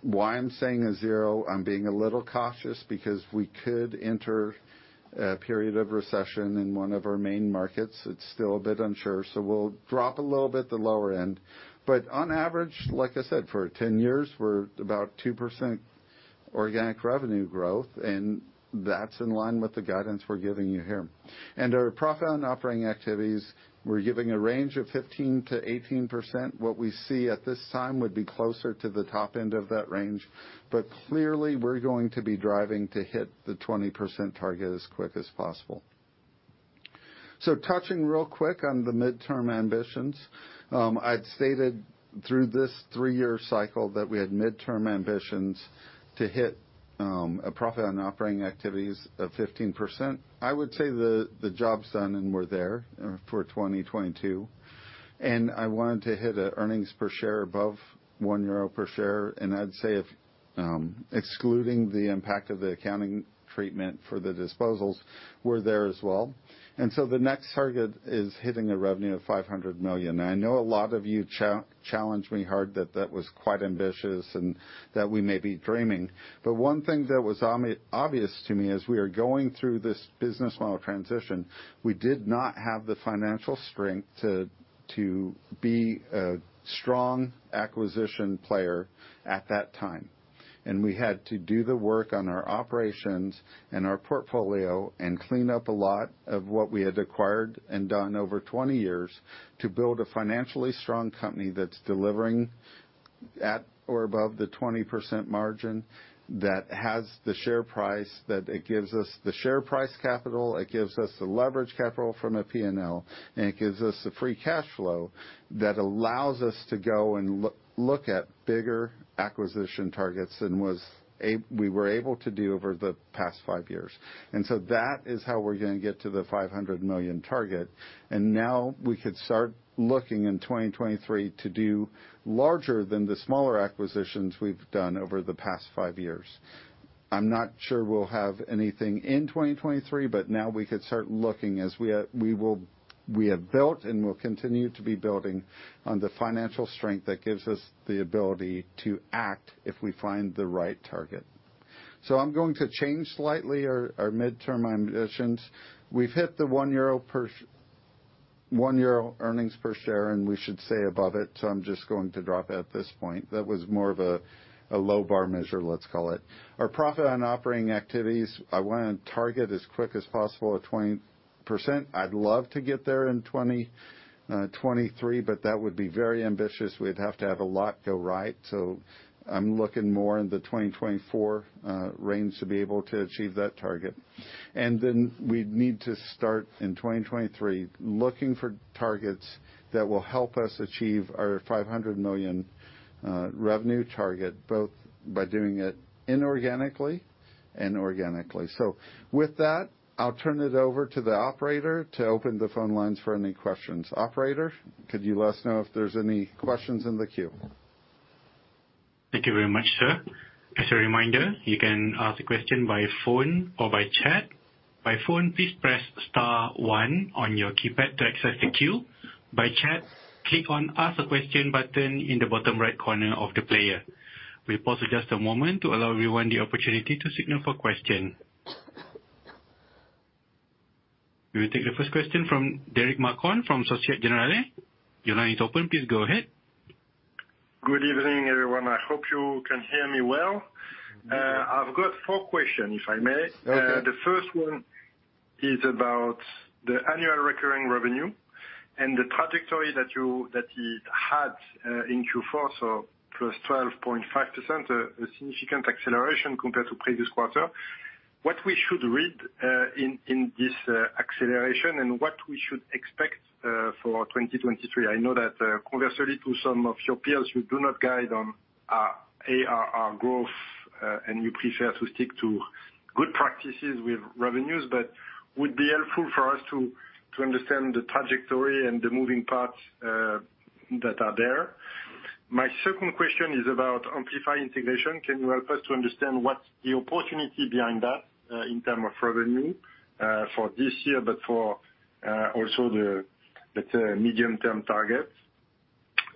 [SPEAKER 2] Why I'm saying 0, I'm being a little cautious because we could enter a period of recession in one of our main markets. It's still a bit unsure, we'll drop a little bit the lower end. On average, like I said, for 10 years, we're about 2% organic revenue growth, and that's in line with the guidance we're giving you here. Our profit from operating activities, we're giving a range of 15%-18%. What we see at this time would be closer to the top end of that range. Clearly, we're going to be driving to hit the 20% target as quick as possible. Touching real quick on the midterm ambitions. I'd stated through this three-year cycle that we had midterm ambitions to hit a profit from operating activities of 15%. I would say the job's done and we're there for 2022. I wanted to hit earnings per share above 1 euro per share, I'd say if, excluding the impact of the accounting treatment for the disposals, we're there as well. The next target is hitting a revenue of 500 million. I know a lot of you challenge me hard that that was quite ambitious and that we may be dreaming. One thing that was obvious to me as we are going through this business model transition, we did not have the financial strength to be a strong acquisition player at that time. We had to do the work on our operations and our portfolio and clean up a lot of what we had acquired and done over 20 years to build a financially strong company that's delivering at or above the 20% margin, that has the share price, that it gives us the share price capital, it gives us the leverage capital from a P&L, and it gives us the free cash flow that allows us to go and look at bigger acquisition targets than we were able to do over the past 5 years. That is how we're gonna get to the 500 million target. Now we could start looking in 2023 to do larger than the smaller acquisitions we've done over the past 5 years. I'm not sure we'll have anything in 2023, but now we could start looking as we have built and will continue to be building on the financial strength that gives us the ability to act if we find the right target. I'm going to change slightly our midterm ambitions. We've hit the 1 euro earnings per share, and we should stay above it, so I'm just going to drop it at this point. That was more of a low bar measure, let's call it. Our profit from operating activities, I wanna target as quick as possible at 20%. I'd love to get there in 2023, but that would be very ambitious. We'd have to have a lot go right. I'm looking more in the 2024 range to be able to achieve that target. We need to start in 2023 looking for targets that will help us achieve our 500 million revenue target, both by doing it inorganically and organically. With that, I'll turn it over to the operator to open the phone lines for any questions. Operator, could you let us know if there's any questions in the queue?
[SPEAKER 5] Thank you very much, sir. As a reminder, you can ask a question by phone or by chat. By phone, please press star one on your keypad to access the queue. By chat, click on Ask a Question button in the bottom right corner of the player. We pause for just a moment to allow everyone the opportunity to signal for question. We will take the first question from Derric Marcon from Societe Generale. Your line is open. Please go ahead.
[SPEAKER 6] Good evening, everyone. I hope you can hear me well. I've got 4 question, if I may. The first one is about the annual recurring revenue and the trajectory that it had in Q4, so +12.5%, a significant acceleration compared to previous quarter. What we should read in this acceleration and what we should expect for 2023? I know that, conversely to some of your peers, you do not guide on ARR growth, and you prefer to stick to good practices with revenues, but would be helpful for us to understand the trajectory and the moving parts that are there. My second question is about Amplify Integration. Can you help us to understand what's the opportunity behind that in term of revenue for this year, but for also the medium-term targets?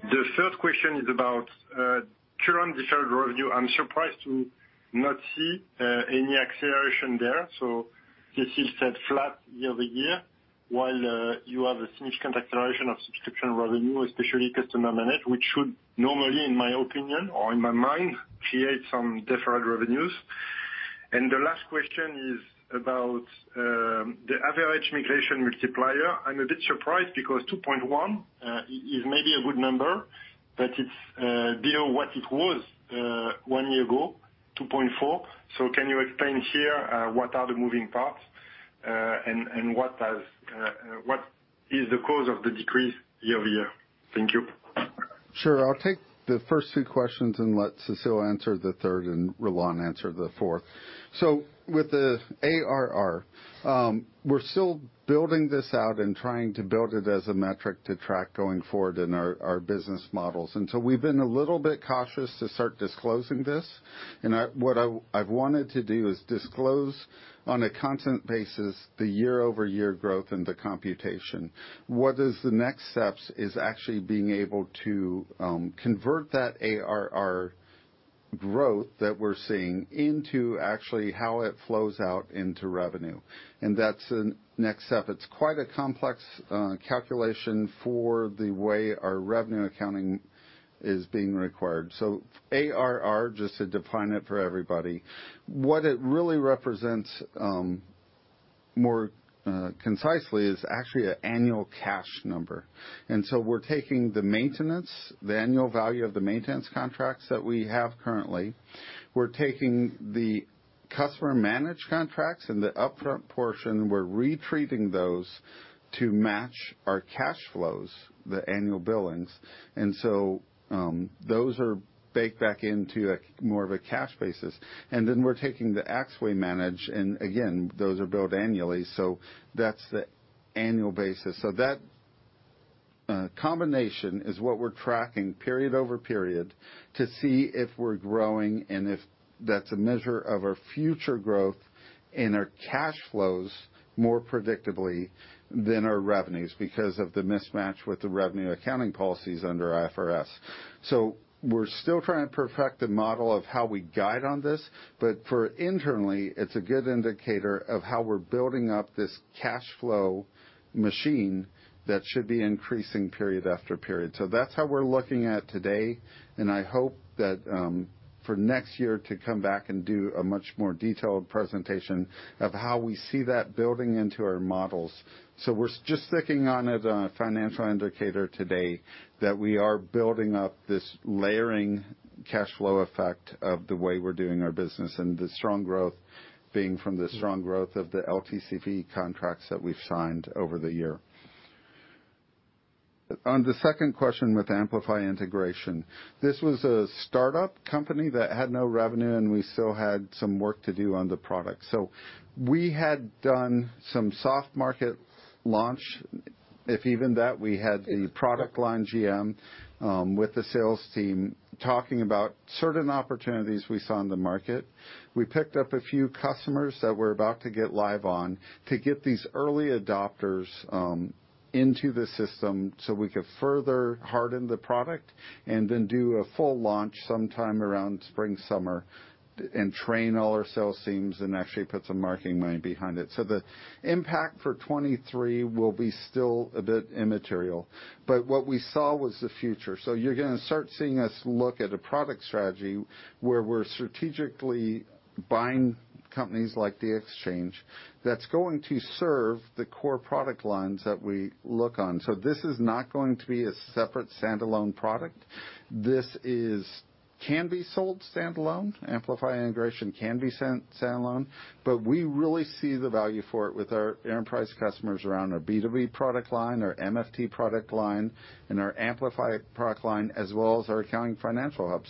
[SPEAKER 6] The third question is about current deferred revenue. I'm surprised to not see any acceleration there. This is set flat year-over-year, while you have a significant acceleration of subscription revenue, especially customer management, which should normally, in my opinion or in my mind, create some deferred revenues. The last question is about the average migration multiplier. I'm a bit surprised because 2.1x is maybe a good number, but it's below what it was one year ago, 2.4x. Can you explain here what are the moving parts and what has what is the cause of the decrease year-over-year? Thank you.
[SPEAKER 2] Sure. I'll take the first two questions and let Cécile answer the third, and Roland answer the fourth. With the ARR, we're still building this out and trying to build it as a metric to track going forward in our business models. We've been a little bit cautious to start disclosing this. What I've wanted to do is disclose on a constant basis the year-over-year growth and the computation. What is the next steps is actually being able to convert that ARR growth that we're seeing into actually how it flows out into revenue. That's the next step. It's quite a complex calculation for the way our revenue accounting is being required. ARR, just to define it for everybody, what it really represents more concisely is actually a annual cash number. We're taking the maintenance, the annual value of the maintenance contracts that we have currently. We're taking the Customer Managed contracts and the upfront portion, we're retreating those to match our cash flows, the annual billings. Those are baked back into a more of a cash basis. We're taking the Axway Managed, and again, those are billed annually. That's the annual basis. That combination is what we're tracking period over period to see if we're growing and if that's a measure of our future growth and our cash flows more predictably than our revenues because of the mismatch with the revenue accounting policies under IFRS. We're still trying to perfect a model of how we guide on this, but for internally, it's a good indicator of how we're building up this cash flow machine that should be increasing period after period. That's how we're looking at today, and I hope that for next year to come back and do a much more detailed presentation of how we see that building into our models. We're just sticking on it a financial indicator today that we are building up this layering cash flow effect of the way we're doing our business, and the strong growth being from the strong growth of the LTCV contracts that we've signed over the year. On the second question with Amplify Integration, this was a startup company that had no revenue, and we still had some work to do on the product. We had done some soft market launch, if even that, we had the product line GM with the sales team talking about certain opportunities we saw in the market. We picked up a few customers that we're about to get live on to get these early adopters into the system so we could further harden the product and then do a full launch sometime around spring, summer and train all our sales teams and actually put some marketing money behind it. The impact for 23 will be still a bit immaterial, but what we saw was the future. You're gonna start seeing us look at a product strategy where we're strategically buying companies like DXChange.io that's going to serve the core product lines that we look on. This is not going to be a separate standalone product. This is, can be sold standalone. Amplify Integration can be sent standalone, but we really see the value for it with our enterprise customers around our B2B product line, our MFT product line, and our Amplify product line, as well as our Accounting Financial Hub.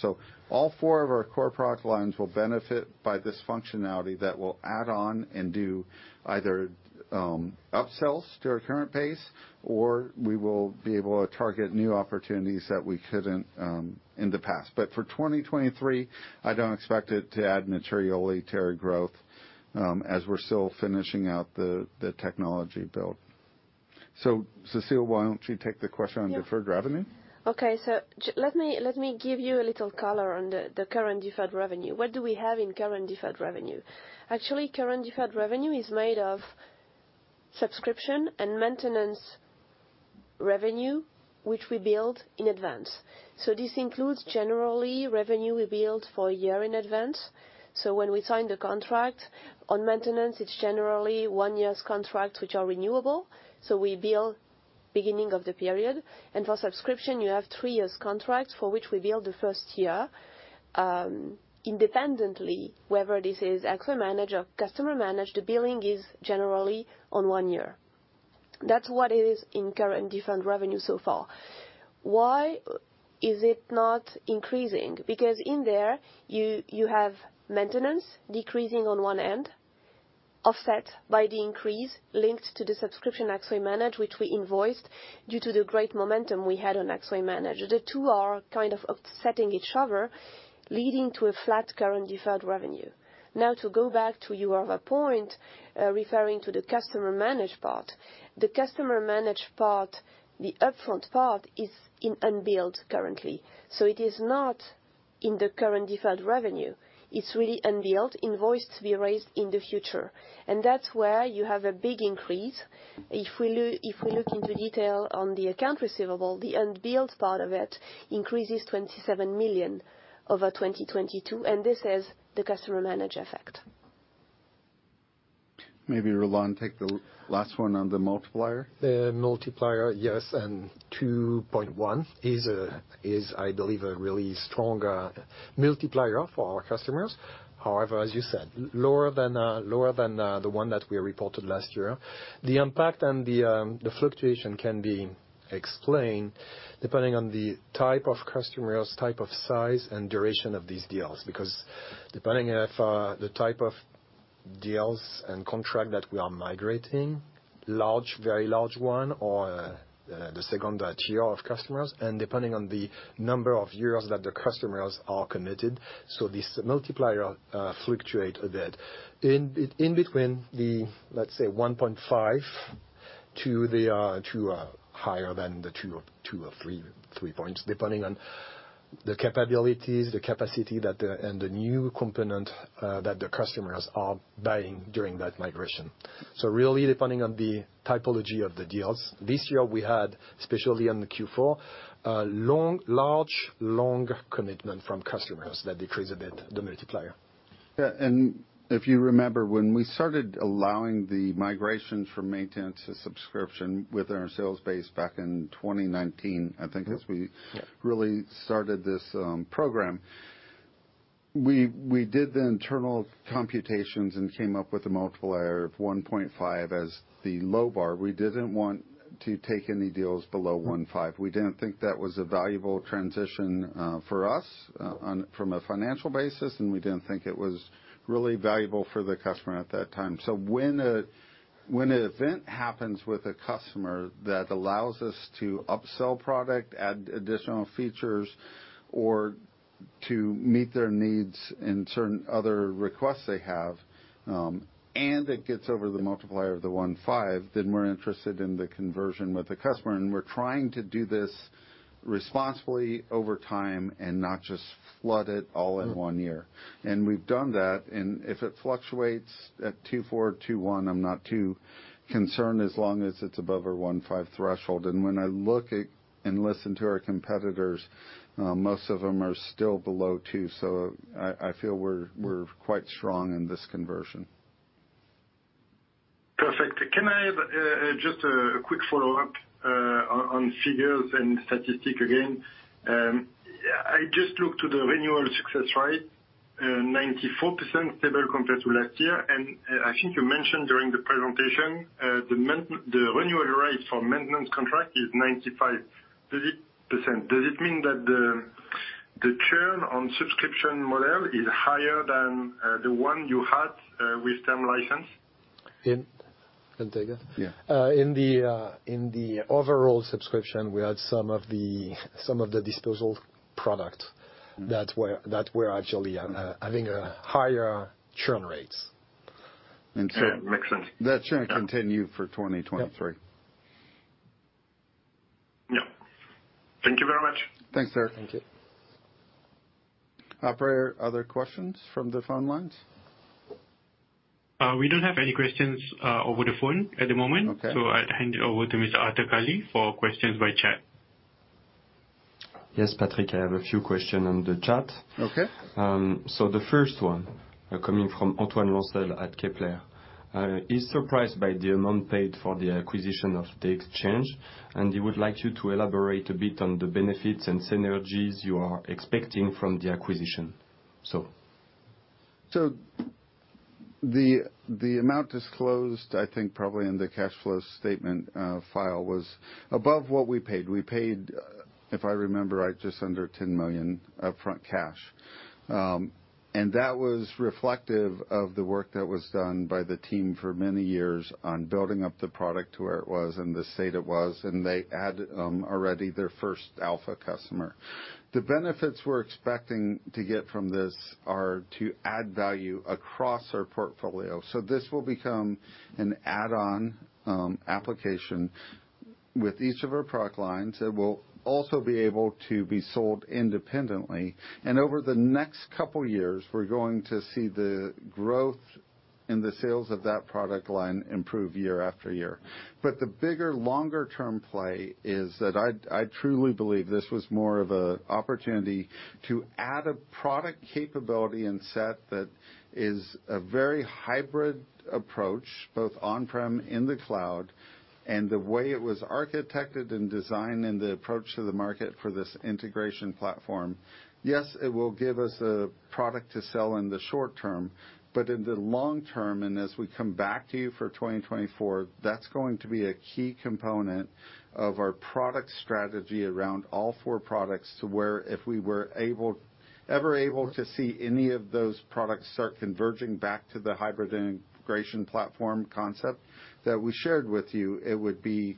[SPEAKER 2] All four of our core product lines will benefit by this functionality that will add on and do either upsells to our current base, or we will be able to target new opportunities that we couldn't in the past. For 2023, I don't expect it to add materially to our growth as we're still finishing out the technology build. Cécile, why don't you take the question on deferred revenue?
[SPEAKER 3] Okay. let me, let me give you a little color on the current deferred revenue. What do we have in current deferred revenue? Actually, current deferred revenue is made of subscription and maintenance revenue, which we build in advance. This includes generally revenue we build for 1 year in advance. When we sign the contract on maintenance, it's generally 1 year's contract, which are renewable. We bill beginning of the period. For subscription, you have 3 years contract, for which we bill the 1st year, independently, whether this is Axway Managed or Customer Managed, the billing is generally on 1 year. That's what it is in current deferred revenue so far. Why is it not increasing? Because in there you have maintenance decreasing on one end, offset by the increase linked to the subscription Axway Managed, which we invoiced due to the great momentum we had on Axway Managed. The two are kind of offsetting each other, leading to a flat current deferred revenue. To go back to your other point, referring to the Customer Managed part. The Customer Managed part, the upfront part is in unbilled currently. It is not in the current deferred revenue. It's really unbilled, invoice to be raised in the future. That's where you have a big increase. If we look into detail on the account receivable, the unbilled part of it increases 27 million over 2022, and this is the Customer Managed effect.
[SPEAKER 2] Maybe Roland take the last one on the multiplier.
[SPEAKER 4] The multiplier, yes, and 2.1x is, I believe, a really strong multiplier for our customers. However, as you said, lower than the one that we reported last year. The impact and the fluctuation can be explained depending on the type of customers, type of size, and duration of these deals. Depending if the type of deals and contract that we are migrating, large, very large one, or the second tier of customers, and depending on the number of years that the customers are committed, this multiplier fluctuate a bit. In between the, let's say 1.5x to the to a higher than the 2 or 3 points, depending on the capabilities, the capacity that the and the new component that the customers are buying during that migration. really depending on the typology of the deals. This year, we had especially on the Q4, a long, large, long commitment from customers that decreased a bit the multiplier.
[SPEAKER 2] If you remember when we started allowing the migrations from maintenance to subscription within our sales base back in 2019, I think is really started this program. We did the internal computations and came up with a multiplier of 1.5x as the low bar. We didn't want to take any deals below 1.5x. We didn't think that was a valuable transition for us on, from a financial basis, and we didn't think it was really valuable for the customer at that time. When an event happens with a customer that allows us to upsell product, add additional features or to meet their needs in certain other requests they have, and it gets over the multiplier of the 1.5x, then we're interested in the conversion with the customer, and we're trying to do this responsibly over time and not just flood it all in one year. We've done that. If it fluctuates at 2.4x, 2.1x, I'm not too concerned as long as it's above our 1.5x threshold. When I look at, and listen to our competitors, most of them are still below 2x, so I feel we're quite strong in this conversion.
[SPEAKER 6] Perfect. Can I have just a quick follow-up on figures and statistics again? I just looked to the renewal success rate, 94% stable compared to last year. I think you mentioned during the presentation, the renewal rate for maintenance contract is 95%. Does it mean that the churn on subscription model is higher than the one you had with term license?
[SPEAKER 4] I'll take it. In the, in the overall subscription, we had some of the, some of the disposal product that were, that were actually having a higher churn rates. And so that churn continue for 2023.
[SPEAKER 6] Yeah. Thank you very much.
[SPEAKER 2] Thanks, sir.
[SPEAKER 4] Thank you.
[SPEAKER 2] Operator, other questions from the phone lines?
[SPEAKER 5] We don't have any questions over the phone at the moment. I'll hand it over to Mr. Arthur Carli for questions by chat.
[SPEAKER 1] Yes, Patrick, I have a few questions on the chat. The first one coming from Antoine Lancel at Kepler, is surprised by the amount paid for the acquisition of the exchange, and he would like you to elaborate a bit on the benefits and synergies you are expecting from the acquisition.
[SPEAKER 2] The amount disclosed, I think probably in the cash flow statement, file was above what we paid. We paid, if I remember right, just under 10 million upfront cash. That was reflective of the work that was done by the team for many years on building up the product to where it was and the state it was, and they had already their first alpha customer. The benefits we're expecting to get from this are to add value across our portfolio. This will become an add-on application with each of our product lines. It will also be able to be sold independently. Over the next couple years, we're going to see the growth in the sales of that product line improve year after year. The bigger, longer term play is that I truly believe this was more of a opportunity to add a product capability and set that is a very hybrid approach, both on-prem, in the cloud, and the way it was architected and designed and the approach to the market for this integration platform. Yes, it will give us a product to sell in the short term, but in the long term, and as we come back to you for 2024, that's going to be a key component of our product strategy around all four products to where if we were ever able to see any of those products start converging back to the hybrid integration platform concept that we shared with you, it would be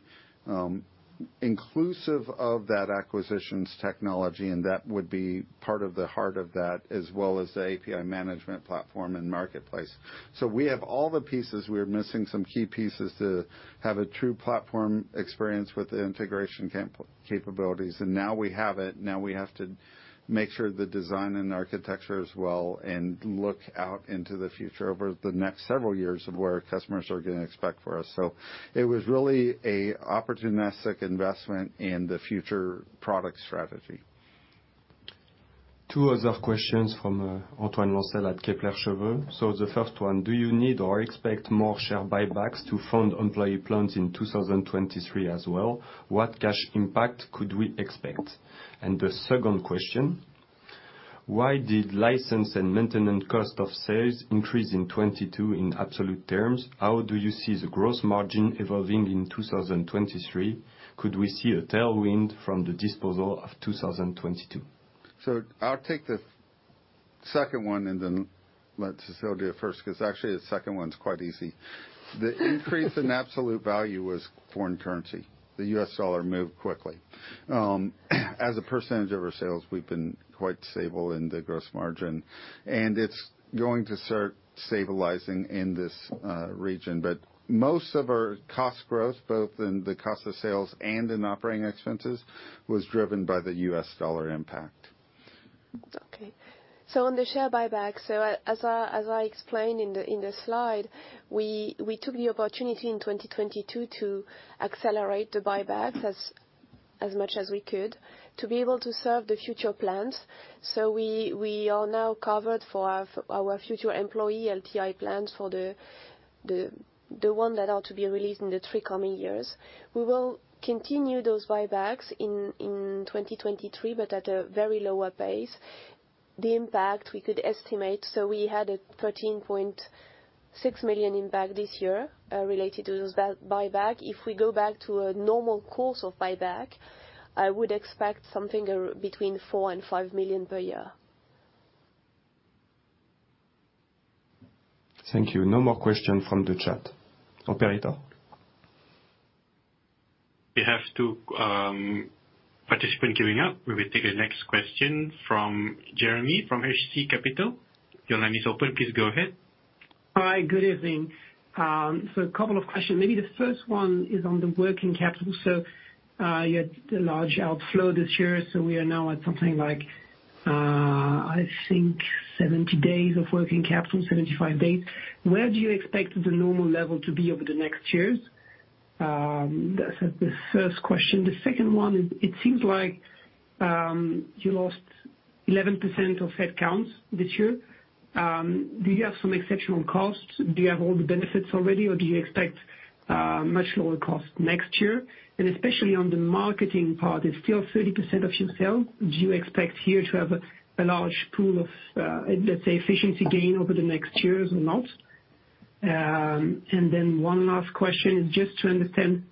[SPEAKER 2] inclusive of that acquisition's technology, and that would be part of the heart of that, as well as the API management platform and marketplace. We have all the pieces. We're missing some key pieces to have a true platform experience with the integration capabilities, and now we have it. We have to make sure the design and architecture is well and look out into the future over the next several years of where customers are gonna expect for us. It was really a opportunistic investment in the future product strategy.
[SPEAKER 1] Two other questions from Antoine Lancel at Kepler Cheuvreux. The first one: do you need or expect more share buybacks to fund employee plans in 2023 as well? What cash impact could we expect? The second question: why did license and maintenance cost of sales increase in 2022 in absolute terms? How do you see the gross margin evolving in 2023? Could we see a tailwind from the disposal of 2022?
[SPEAKER 2] I'll take the second one and then let Cécile do the first, because actually, the second one's quite easy. The increase in absolute value was foreign currency. The US dollar moved quickly. As a % of our sales, we've been quite stable in the gross margin. It's going to start stabilizing in this region, but most of our cost growth, both in the cost of sales and in operating expenses, was driven by the US dollar impact.
[SPEAKER 3] On the share buyback, as I explained in the slide, we took the opportunity in 2022 to accelerate the buybacks as much as we could to be able to serve the future plans. We are now covered for our future employee LTI plans for the one that are to be released in the three coming years. We will continue those buybacks in 2023, but at a very lower pace. The impact we could estimate, we had a 13.6 million impact this year, related to those buyback. If we go back to a normal course of buyback, I would expect something between 4 million to 5 million per year.
[SPEAKER 1] Thank you. No more question from the chat. Operator?
[SPEAKER 5] We have two participant queuing up. We will take the next question from Jérémie from HC Capital. Your line is open. Please go ahead.
[SPEAKER 7] Hi. Good evening. A couple of questions. Maybe the first one is on the working capital. You had a large outflow this year, we are now at something like, I think 70 days of working capital, 75 days. Where do you expect the normal level to be over the next years? That's the first question. The second one is it seems like, you lost 11% of headcounts this year. Do you have some exceptional costs? Do you have all the benefits already, or do you expect much lower costs next year? Especially on the marketing part, it's still 30% of your sales. Do you expect here to have a large pool of, let's say, efficiency gain over the next years or not? One last question, just to understand.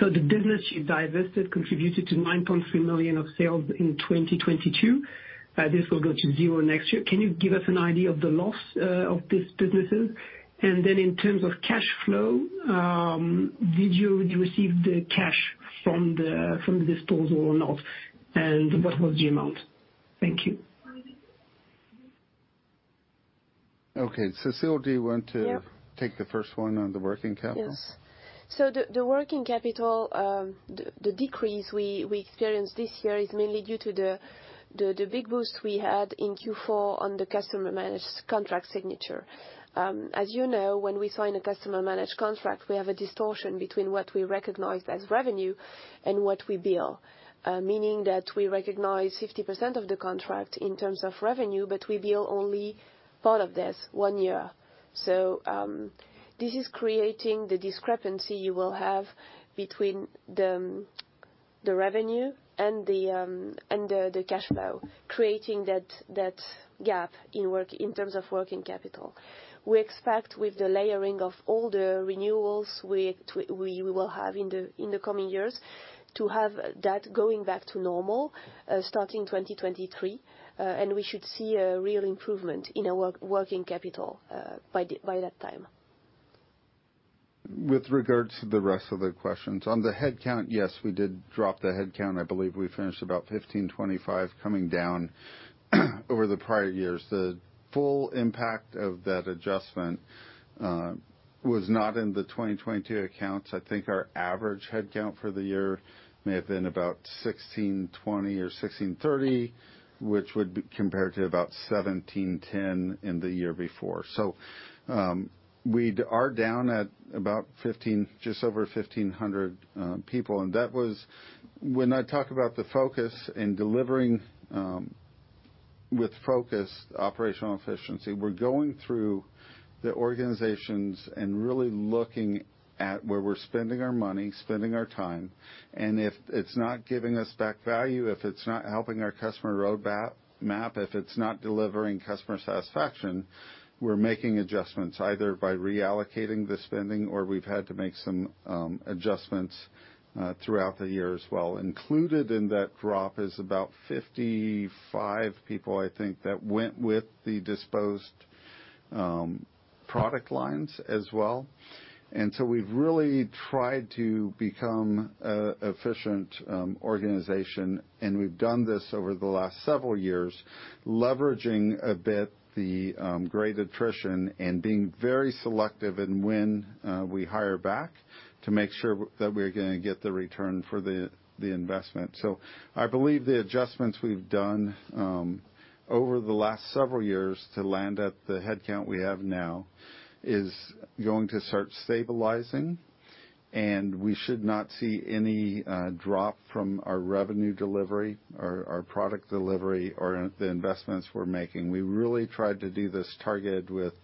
[SPEAKER 7] The business you divested contributed to 9.3 million of sales in 2022. This will go to zero next year. Can you give us an idea of the loss of these businesses? In terms of cash flow, did you receive the cash from the disposal or not, and what was the amount? Thank you.
[SPEAKER 2] Okay. Cécile, do you want to take the first one on the working capital?
[SPEAKER 3] Yes. The working capital, the decrease we experienced this year is mainly due to the big boost we had in Q4 on the Customer Managed contract signature. As you know, when we sign a Customer Managed contract, we have a distortion between what we recognize as revenue and what we bill, meaning that we recognize 50% of the contract in terms of revenue, but we bill only part of this one year. This is creating the discrepancy you will have between the revenue and the cash flow, creating that gap in terms of working capital. We expect with the layering of all the renewals we will have in the coming years to have that going back to normal, starting 2023. We should see a real improvement in our work, working capital by that time.
[SPEAKER 2] With regards to the rest of the questions, on the headcount, yes, we did drop the headcount. I believe we finished about 1,525 coming down over the prior years. The full impact of that adjustment was not in the 2022 accounts. I think our average headcount for the year may have been about 1,620 or 1,630, which would be compared to about 1,710 in the year before. We are down at just over 1,500 people. When I talk about the focus in delivering, with focus operational efficiency, we're going through the organizations and really looking at where we're spending our money, spending our time, and if it's not giving us back value, if it's not helping our customer road map, if it's not delivering customer satisfaction, we're making adjustments either by reallocating the spending, or we've had to make some adjustments throughout the year as well. Included in that drop is about 55 people, I think, that went with the disposed product lines as well. So we've really tried to become an efficient organization, and we've done this over the last several years, leveraging a bit the great attrition and being very selective in when we hire back to make sure that we're gonna get the return for the investment. I believe the adjustments we've done over the last several years to land at the headcount we have now is going to start stabilizing, and we should not see any drop from our revenue delivery, our product delivery or the investments we're making. We really tried to do this targeted with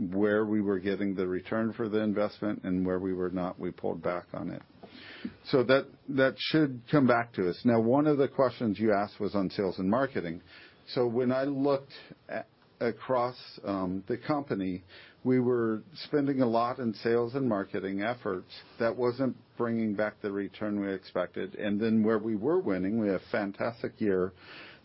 [SPEAKER 2] where we were getting the return for the investment and where we were not, we pulled back on it. That should come back to us. One of the questions you asked was on sales and marketing. When I looked across the company, we were spending a lot in sales and marketing efforts that wasn't bringing back the return we expected. Where we were winning, we had a fantastic year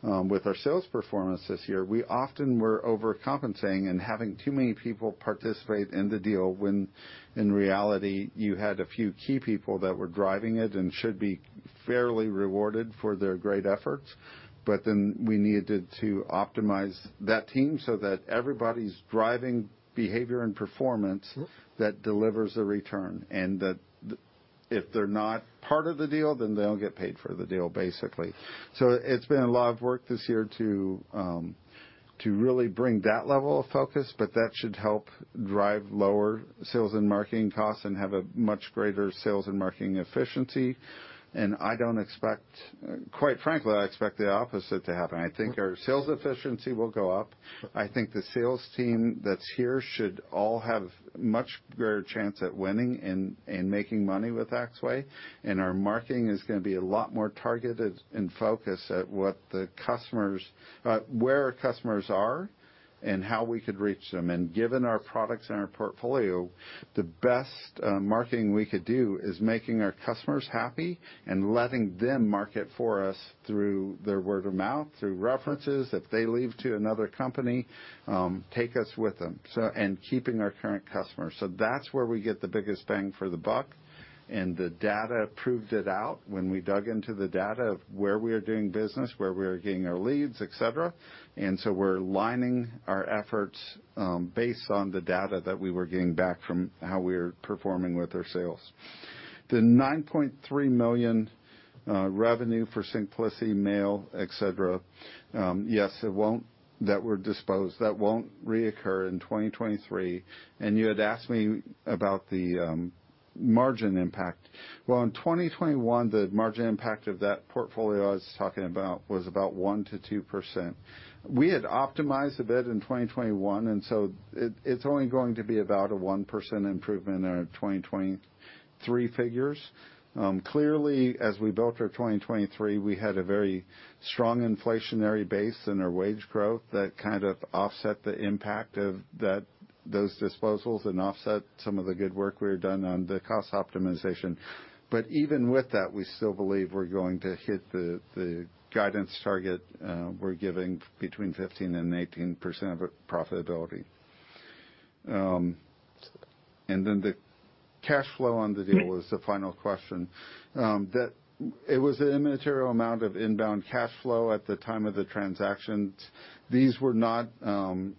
[SPEAKER 2] with our sales performance this year. We often were overcompensating and having too many people participate in the deal, when in reality, you had a few key people that were driving it and should be fairly rewarded for their great efforts. We needed to optimize that team so that everybody's driving behavior and performance that delivers a return, and that if they're not part of the deal, then they don't get paid for the deal, basically. It's been a lot of work this year to really bring that level of focus, but that should help drive lower sales and marketing costs and have a much greater sales and marketing efficiency. Quite frankly, I expect the opposite to happen. I think our sales efficiency will go up. I think the sales team that's here should all have much greater chance at winning and making money with Axway. Our marketing is gonna be a lot more targeted and focused at what the customers, where our customers are and how we could reach them. Given our products and our portfolio, the best marketing we could do is making our customers happy and letting them market for us through their word of mouth, through references, if they leave to another company, take us with them, so, and keeping our current customers. That's where we get the biggest bang for the buck, and the data proved it out when we dug into the data of where we are doing business, where we are getting our leads, et cetera. We're aligning our efforts, based on the data that we were getting back from how we're performing with our sales. The 9.3 million revenue for Syncplicity Mail, et cetera, yes, that were disposed, that won't reoccur in 2023. You had asked me about the margin impact. Well, in 2021, the margin impact of that portfolio I was talking about was about 1%-2%. We had optimized a bit in 2021, it's only going to be about a 1% improvement in our 2023 figures. Clearly, as we built our 2023, we had a very strong inflationary base in our wage growth that kind of offset the impact of those disposals and offset some of the good work we had done on the cost optimization. Even with that, we still believe we're going to hit the guidance target we're giving between 15% and 18% of profitability. Then the cash flow on the deal was the final question. It was an immaterial amount of inbound cash flow at the time of the transactions. These were not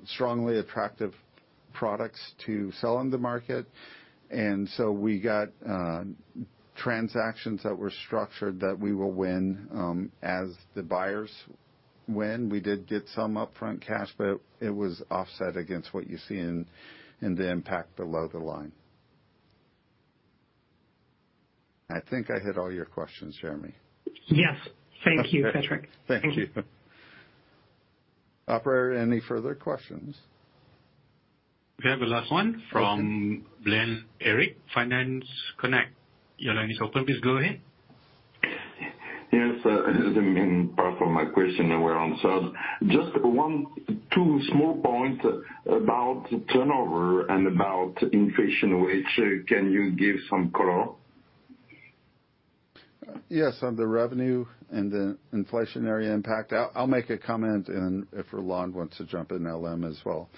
[SPEAKER 2] strongly attractive products to sell on the market. So we got transactions that were structured that we will win as the buyers win. We did get some upfront cash, but it was offset against what you see in the impact below the line. I think I hit all your questions, Jeremy.
[SPEAKER 3] Yes. Thank you, Patrick.
[SPEAKER 2] Thank you. Operator, any further questions?
[SPEAKER 5] We have the last one from Eric Blain, Finance Connect. Your line is open. Please go ahead.
[SPEAKER 8] Yes, the main part of my question were answered. Just two small points about turnover and about inflation, which can you give some color?
[SPEAKER 2] Yes, on the revenue and the inflationary impact, I'll make a comment and if Roland wants to jump in, I'll let him as well.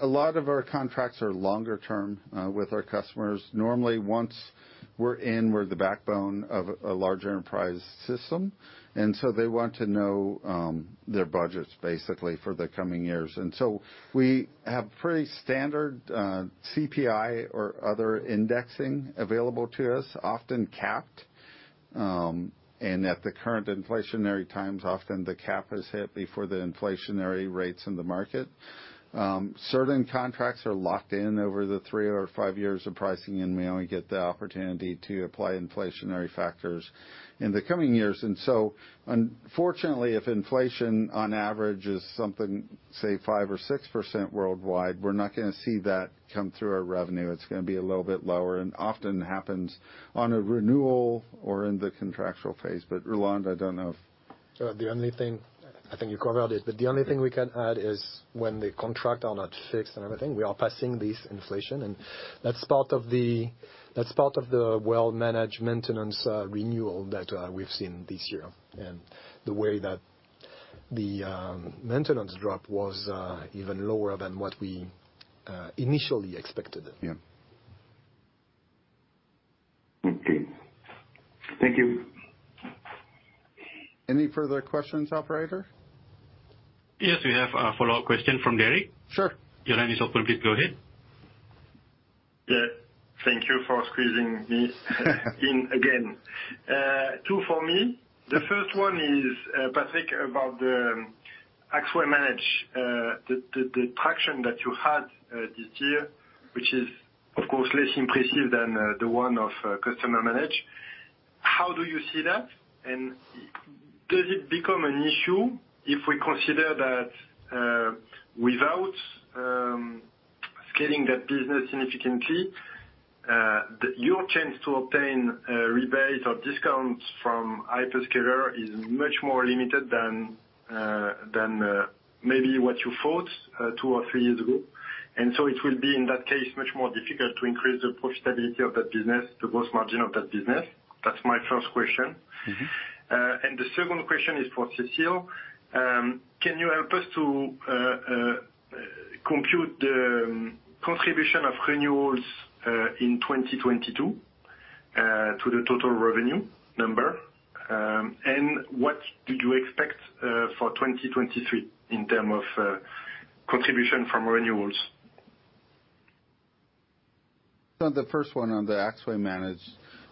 [SPEAKER 2] A lot of our contracts are longer term, with our customers. Normally, once we're in, we're the backbone of a large enterprise system, they want to know, their budgets basically for the coming years. We have pretty standard, CPI or other indexing available to us, often capped, and at the current inflationary times, often the cap is hit before the inflationary rates in the market. Certain contracts are locked in over the three or five years of pricing, and we only get the opportunity to apply inflationary factors in the coming years. Unfortunately, if inflation on average is something, say, 5% or 6% worldwide, we're not gonna see that come through our revenue. It's gonna be a little bit lower and often happens on a renewal or in the contractual phase. Roland, I don't know if.
[SPEAKER 4] The only thing, I think you covered it, but the only thing we can add is when the contract are not fixed and everything, we are passing this inflation. That's part of the well-managed maintenance renewal that we've seen this year and the way that the maintenance drop was even lower than what we initially expected.
[SPEAKER 8] Okay. Thank you.
[SPEAKER 2] Any further questions, operator?
[SPEAKER 5] Yes, we have a follow-up question from Derric. Your line is open. Please go ahead.
[SPEAKER 6] Yeah. Thank you for squeezing me in again. Two for me. The first one is, Patrick, about the Axway Managed, the traction that you had this year, which is, of course, less impressive than the one of Customer Managed. How do you see that? Does it become an issue if we consider that without scaling that business significantly, that your chance to obtain a rebate or discount from hyperscaler is much more limited than maybe what you thought two or three years ago. It will be, in that case, much more difficult to increase the profitability of that business, the gross margin of that business. That's my first question. The second question is for Cécile. Can you help us to compute the contribution of renewals in 2022 to the total revenue number? What do you expect for 2023 in term of contribution from renewals?
[SPEAKER 2] On the first one, on the Axway Managed,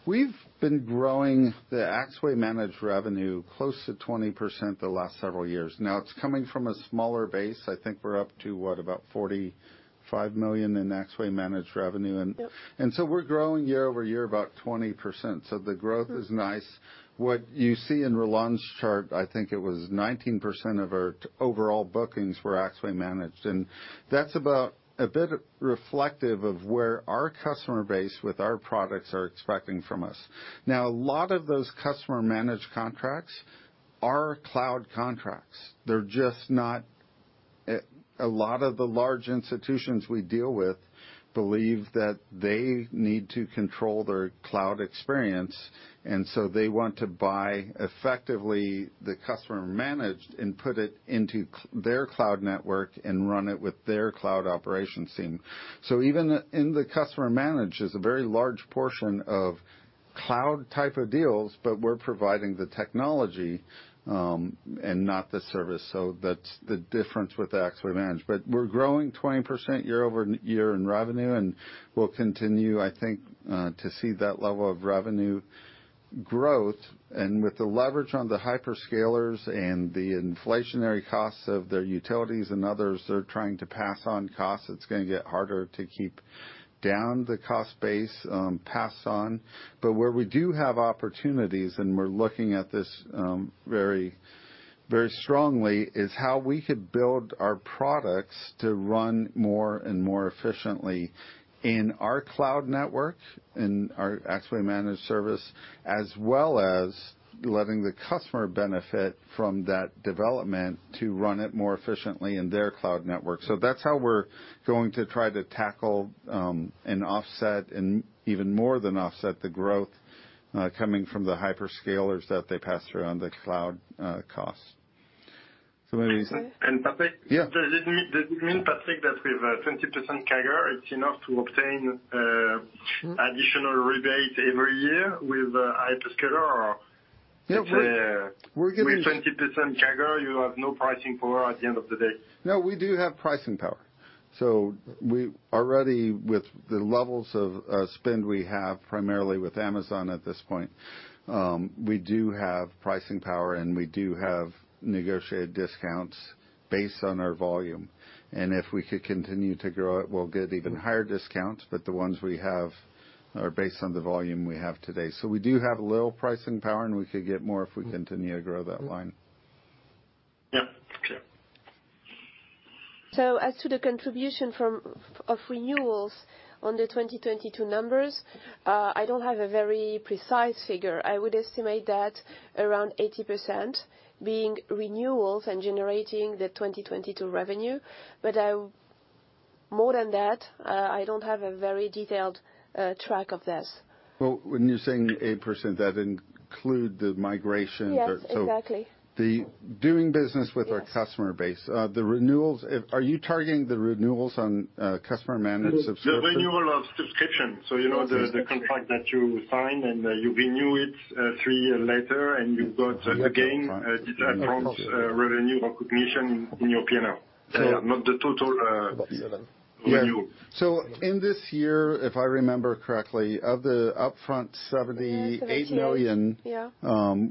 [SPEAKER 2] we've been growing the Axway Managed revenue close to 20% the last several years. Now it's coming from a smaller base. I think we're up to, what? About 45 million in Axway Managed revenue. We're growing year over year about 20%, so the growth is nice. What you see in Roland's chart, I think it was 19% of our overall bookings were Axway Managed, and that's about a bit reflective of where our customer base with our products are expecting from us. Now, a lot of those Customer Managed contracts are cloud contracts. They're just not. A lot of the large institutions we deal with believe that they need to control their cloud experience, and so they want to buy, effectively, the Customer Managed and put it into their cloud network and run it with their cloud operations team. Even in the Customer Managed is a very large portion of cloud type of deals, but we're providing the technology and not the service. That's the difference with Axway Managed. We're growing 20% year-over-year in revenue, and we'll continue, I think, to see that level of revenue growth. With the leverage on the hyperscalers and the inflationary costs of their utilities and others they're trying to pass on costs, it's going to get harder to keep down the cost base, pass on. Where we do have opportunities, and we're looking at this, very, very strongly, is how we could build our products to run more and more efficiently in our cloud network, in our Axway Managed service, as well as letting the customer benefit from that development to run it more efficiently in their cloud network. That's how we're going to try to tackle, and offset, and even more than offset, the growth, coming from the hyperscalers that they pass around the cloud, costs. Any questions?
[SPEAKER 6] Patrick. Does it mean, Patrick, that with 20% CAGR it's enough to obtain additional rebate every year with a hyperscaler? With 20% CAGR you have no pricing power at the end of the day.
[SPEAKER 2] We do have pricing power. We already, with the levels of spend we have primarily with Amazon at this point, we do have pricing power, and we do have negotiated discounts based on our volume. If we could continue to grow it, we'll get even higher discounts. The ones we have are based on the volume we have today. We do have a little pricing power, and we could get more if we continue to grow that line.
[SPEAKER 6] Yeah. Okay.
[SPEAKER 3] As to the contribution from, of renewals on the 2022 numbers, I don't have a very precise figure. I would estimate that around 80% being renewals and generating the 2022 revenue. More than that, I don't have a very detailed, track of this.
[SPEAKER 2] Well, when you're saying 80%, that include the migrations or?
[SPEAKER 3] Yes, exactly.
[SPEAKER 2] The doing business with our customer base. The renewals, are you targeting the renewals on Customer Managed subscription?
[SPEAKER 6] The renewal of subscription. You know, the contract that you sign, and you renew it, 3 year later, and you've got again, the upfront, revenue recognition in your P&L. Not the total, renewal.
[SPEAKER 2] In this year, if I remember correctly, of the upfront 78 million.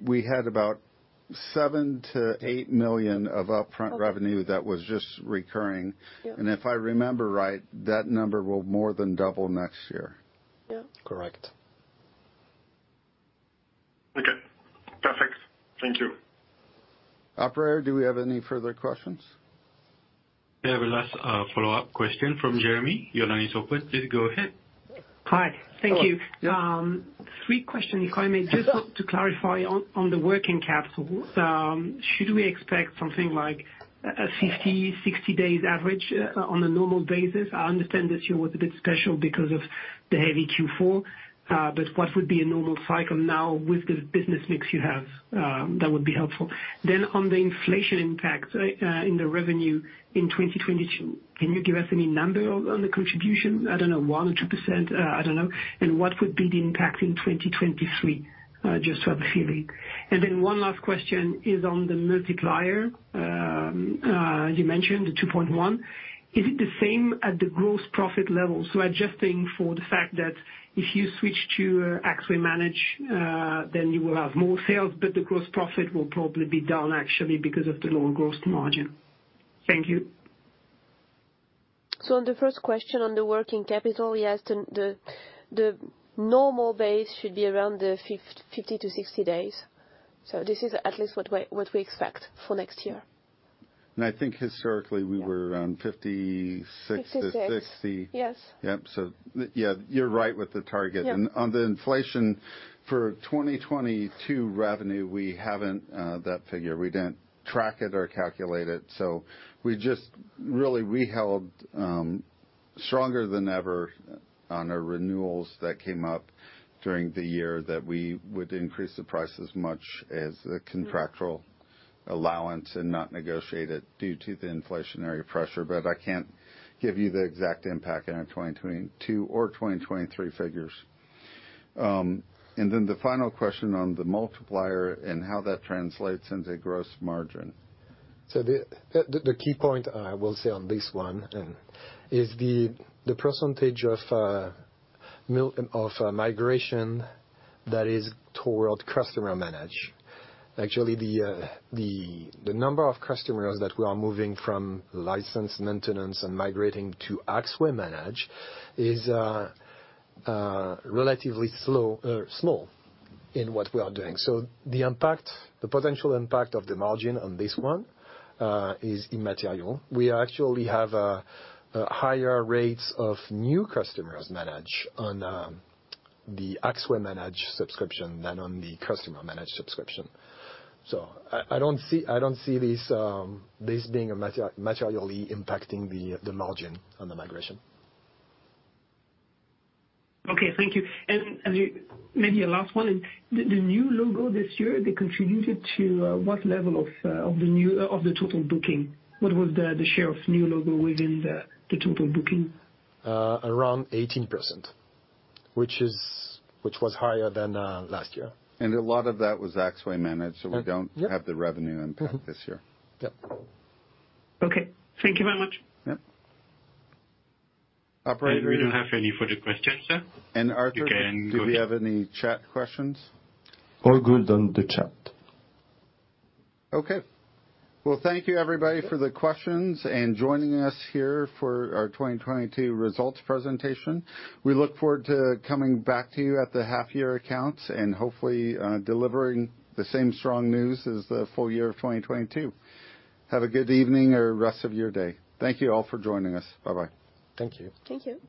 [SPEAKER 2] We had about 7 million to 8 million of upfront revenue that was just recurring. If I remember right, that number will more than double next year.
[SPEAKER 6] Okay. Perfect. Thank you.
[SPEAKER 2] Operator, do we have any further questions?
[SPEAKER 5] We have a last, follow-up question from Jérémie. Your line is open. Please go ahead.
[SPEAKER 7] Hi. Thank you. Three question, if I may. Just to clarify on the working capital, should we expect something like a 50, 60 days average on a normal basis? I understand this year was a bit special because of the heavy Q4, but what would be a normal cycle now with the business mix you have, that would be helpful. On the inflation impact, in the revenue in 2022, can you give us any number on the contribution? I don't know, 1% or 2%, I don't know. What would be the impact in 2023? Just to have a feeling. One last question is on the multiplier, you mentioned the 2.1x. Is it the same at the gross profit level? Adjusting for the fact that if you switch to Axway Managed, then you will have more sales, but the gross profit will probably be down actually because of the lower gross margin. Thank you.
[SPEAKER 3] On the first question on the working capital, yes, the normal base should be around the 50 to 60 days. This is at least what we expect for next year.
[SPEAKER 2] I think historically we were around 56-60. Yep. Yeah, you're right with the target. On the inflation for 2022 revenue, we haven't that figure. We didn't track it or calculate it, Really, we held stronger than ever on our renewals that came up during the year that we would increase the price as much as the contractual allowance and not negotiate it due to the inflationary pressure. I can't give you the exact impact in our 2022 or 2023 figures. The final question on the multiplier and how that translates into gross margin.
[SPEAKER 4] The key point I will say on this one is the percentage of migration that is toward Customer Managed. The number of customers that we are moving from license maintenance and migrating to Axway Managed is relatively slow, small in what we are doing. The impact, the potential impact of the margin on this one is immaterial. We actually have a higher rates of new customers managed on the Axway Managed subscription than on the Customer Managed subscription. I don't see this materially impacting the margin on the migration.
[SPEAKER 7] Okay, thank you. Maybe a last one. The new logo this year, they contributed to what level of the total booking? What was the share of new logo within the total booking?
[SPEAKER 4] around 18%, which was higher than last year.
[SPEAKER 2] A lot of that was Axway Managed, so we don't have the revenue impact this year.
[SPEAKER 7] Okay. Thank you very much.
[SPEAKER 1] Yep. We don't have any further questions, sir. You can go ahead.
[SPEAKER 2] Do we have any chat questions?
[SPEAKER 1] All good on the chat.
[SPEAKER 2] Okay. Well, thank you everybody for the questions and joining us here for our 2022 results presentation. We look forward to coming back to you at the half-year accounts and hopefully, delivering the same strong news as the full year of 2022. Have a good evening or rest of your day. Thank you all for joining us. Bye-bye.
[SPEAKER 3] Thank you.